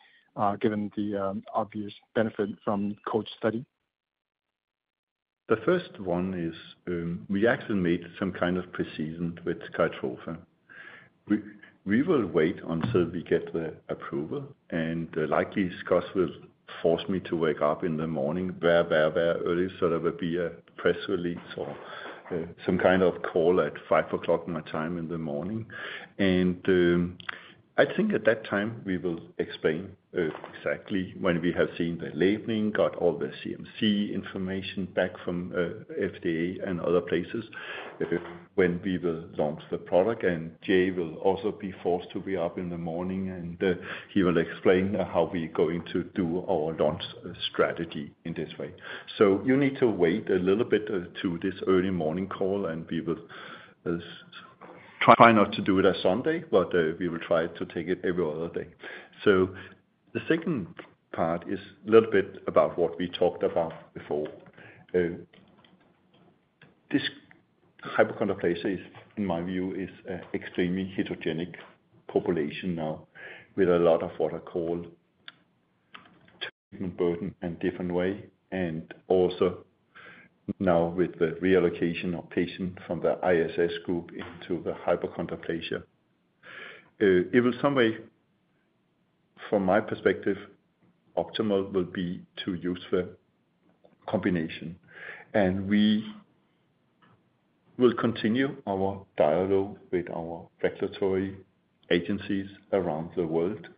Speaker 19: given the obvious benefit from code study?
Speaker 3: The first one is we actually made some kind of precision with SKYTROFA. We will wait until we get the approval and likely Scott will force me to wake up in the morning very, very, very early, so there will be a press release or some kind of call at 5:00 A.M. my time in the morning. I think at that time we will explain exactly when we have seen the labeling, got all the CMC information back from FDA and other places, when we will launch the product. Jay will also be forced to be up in the morning and he will explain how we're going to do our launch strategy in this way. You need to wait a little bit to this early morning call and we will try not to do it as Sunday, but we will try to take it every other day. The second part is a little bit about what we talked about before. This hypochondroplasia in my view is an extremely heterogeneic population now with a lot of what I call burden in a different way. Also now with the reallocation of patients from the ISS group into the hypochondroplasia, it will some way, from my perspective, optimal will be to use the combination. We will continue our dialogue with our regulatory agencies around the world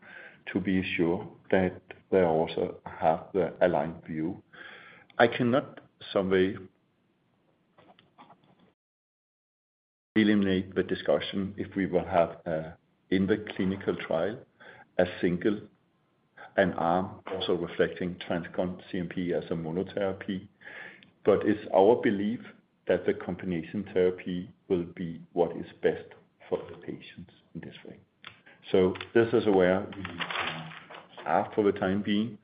Speaker 3: to be sure that they also have the aligned view. I cannot some way eliminate the discussion if we will have in the clinical trial a single arm also reflecting TransCon CNP as a monotherapy. It's our belief that the combination therapy will be what is best for the patients in this way. This is where we are for the time being.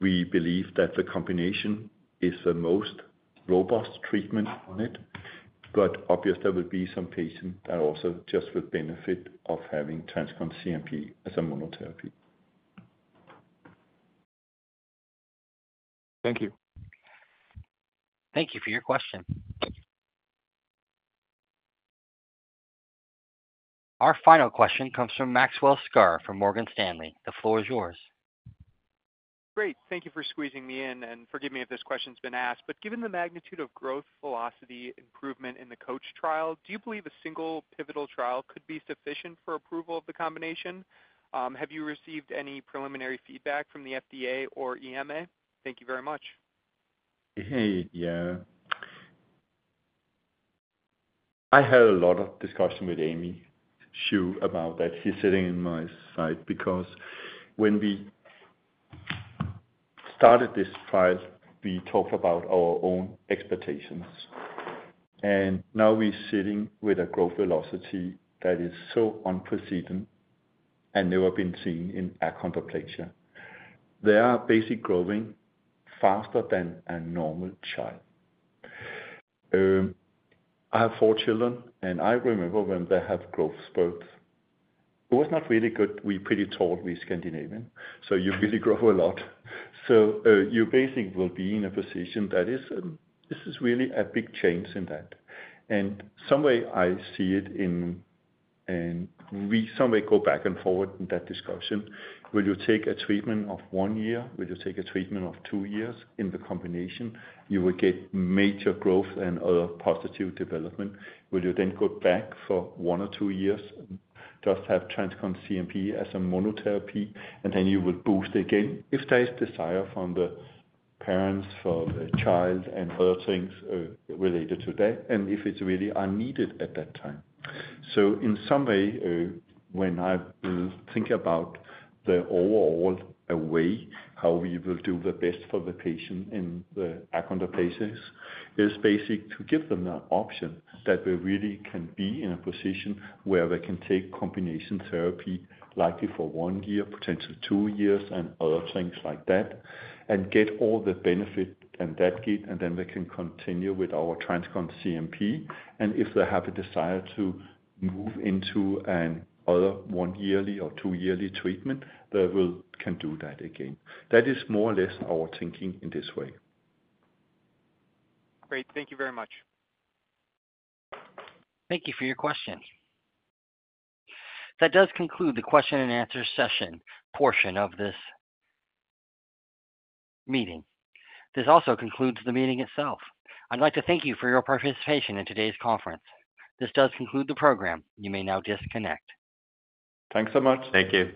Speaker 3: We believe that the combination is the most robust treatment on it. Obviously, there will be some patients that also just will benefit of having TransCon CNP as a monotherapy.
Speaker 19: Thank you.
Speaker 1: Thank you for your question. Our final question comes from Maxwell Skor from Morgan Stanley. The floor is yours.
Speaker 20: Great, thank you for squeezing me in and forgive me if this question's been asked. Given the magnitude of growth, velocity, improvement in the COACH trial, do you believe a single pivotal trial could be sufficient for approval of the combination? Have you received any preliminary feedback from the FDA or EMA? Thank you very much.
Speaker 3: Yeah. I had a lot of discussion with Aimee Shu about that. She's sitting on my side because when we started this trial, we talked about our own expectations. Now we're sitting with a growth velocity that is so unprecedented and never been seen in achondroplasia. They are basically growing faster than a normal child. I have four children and I remember when they have growth spurts. It was not really good. We're pretty tall. We're Scandinavian. You really grow a lot. You basically will be in a position that this is really a big change in that. In some way I see it, and we in some way go back and forward in that discussion. When you take a treatment of one year, when you take a treatment of two years in the combination, you will get major growth and other positive development. When you then go back for one or two years, just have TransCon CNP as a monotherapy, and then you will boost again if there is desire from the parents for the child and for other things related to that and if it's really needed at that time. In some way, when I think about the overall way how we will do the best for the patient in the achondroplasias, it is basically to give them that option that we really can be in a position where they can take combination therapy likely for one year, potentially two years, and other things like that and get all the benefit in that kit. Then they can continue with our TransCon CNP. If they have a desire to move into another one yearly or two yearly treatment, they can do that again. That is more or less our thinking in this way.
Speaker 20: Great, thank you very much.
Speaker 1: Thank you for your question. That does conclude the question-and-answer session portion of this meeting. This also concludes the meeting itself. I'd like to thank you for your participation in today's conference. This does conclude the program. You may now disconnect.
Speaker 3: Thanks so much.
Speaker 2: Thank you.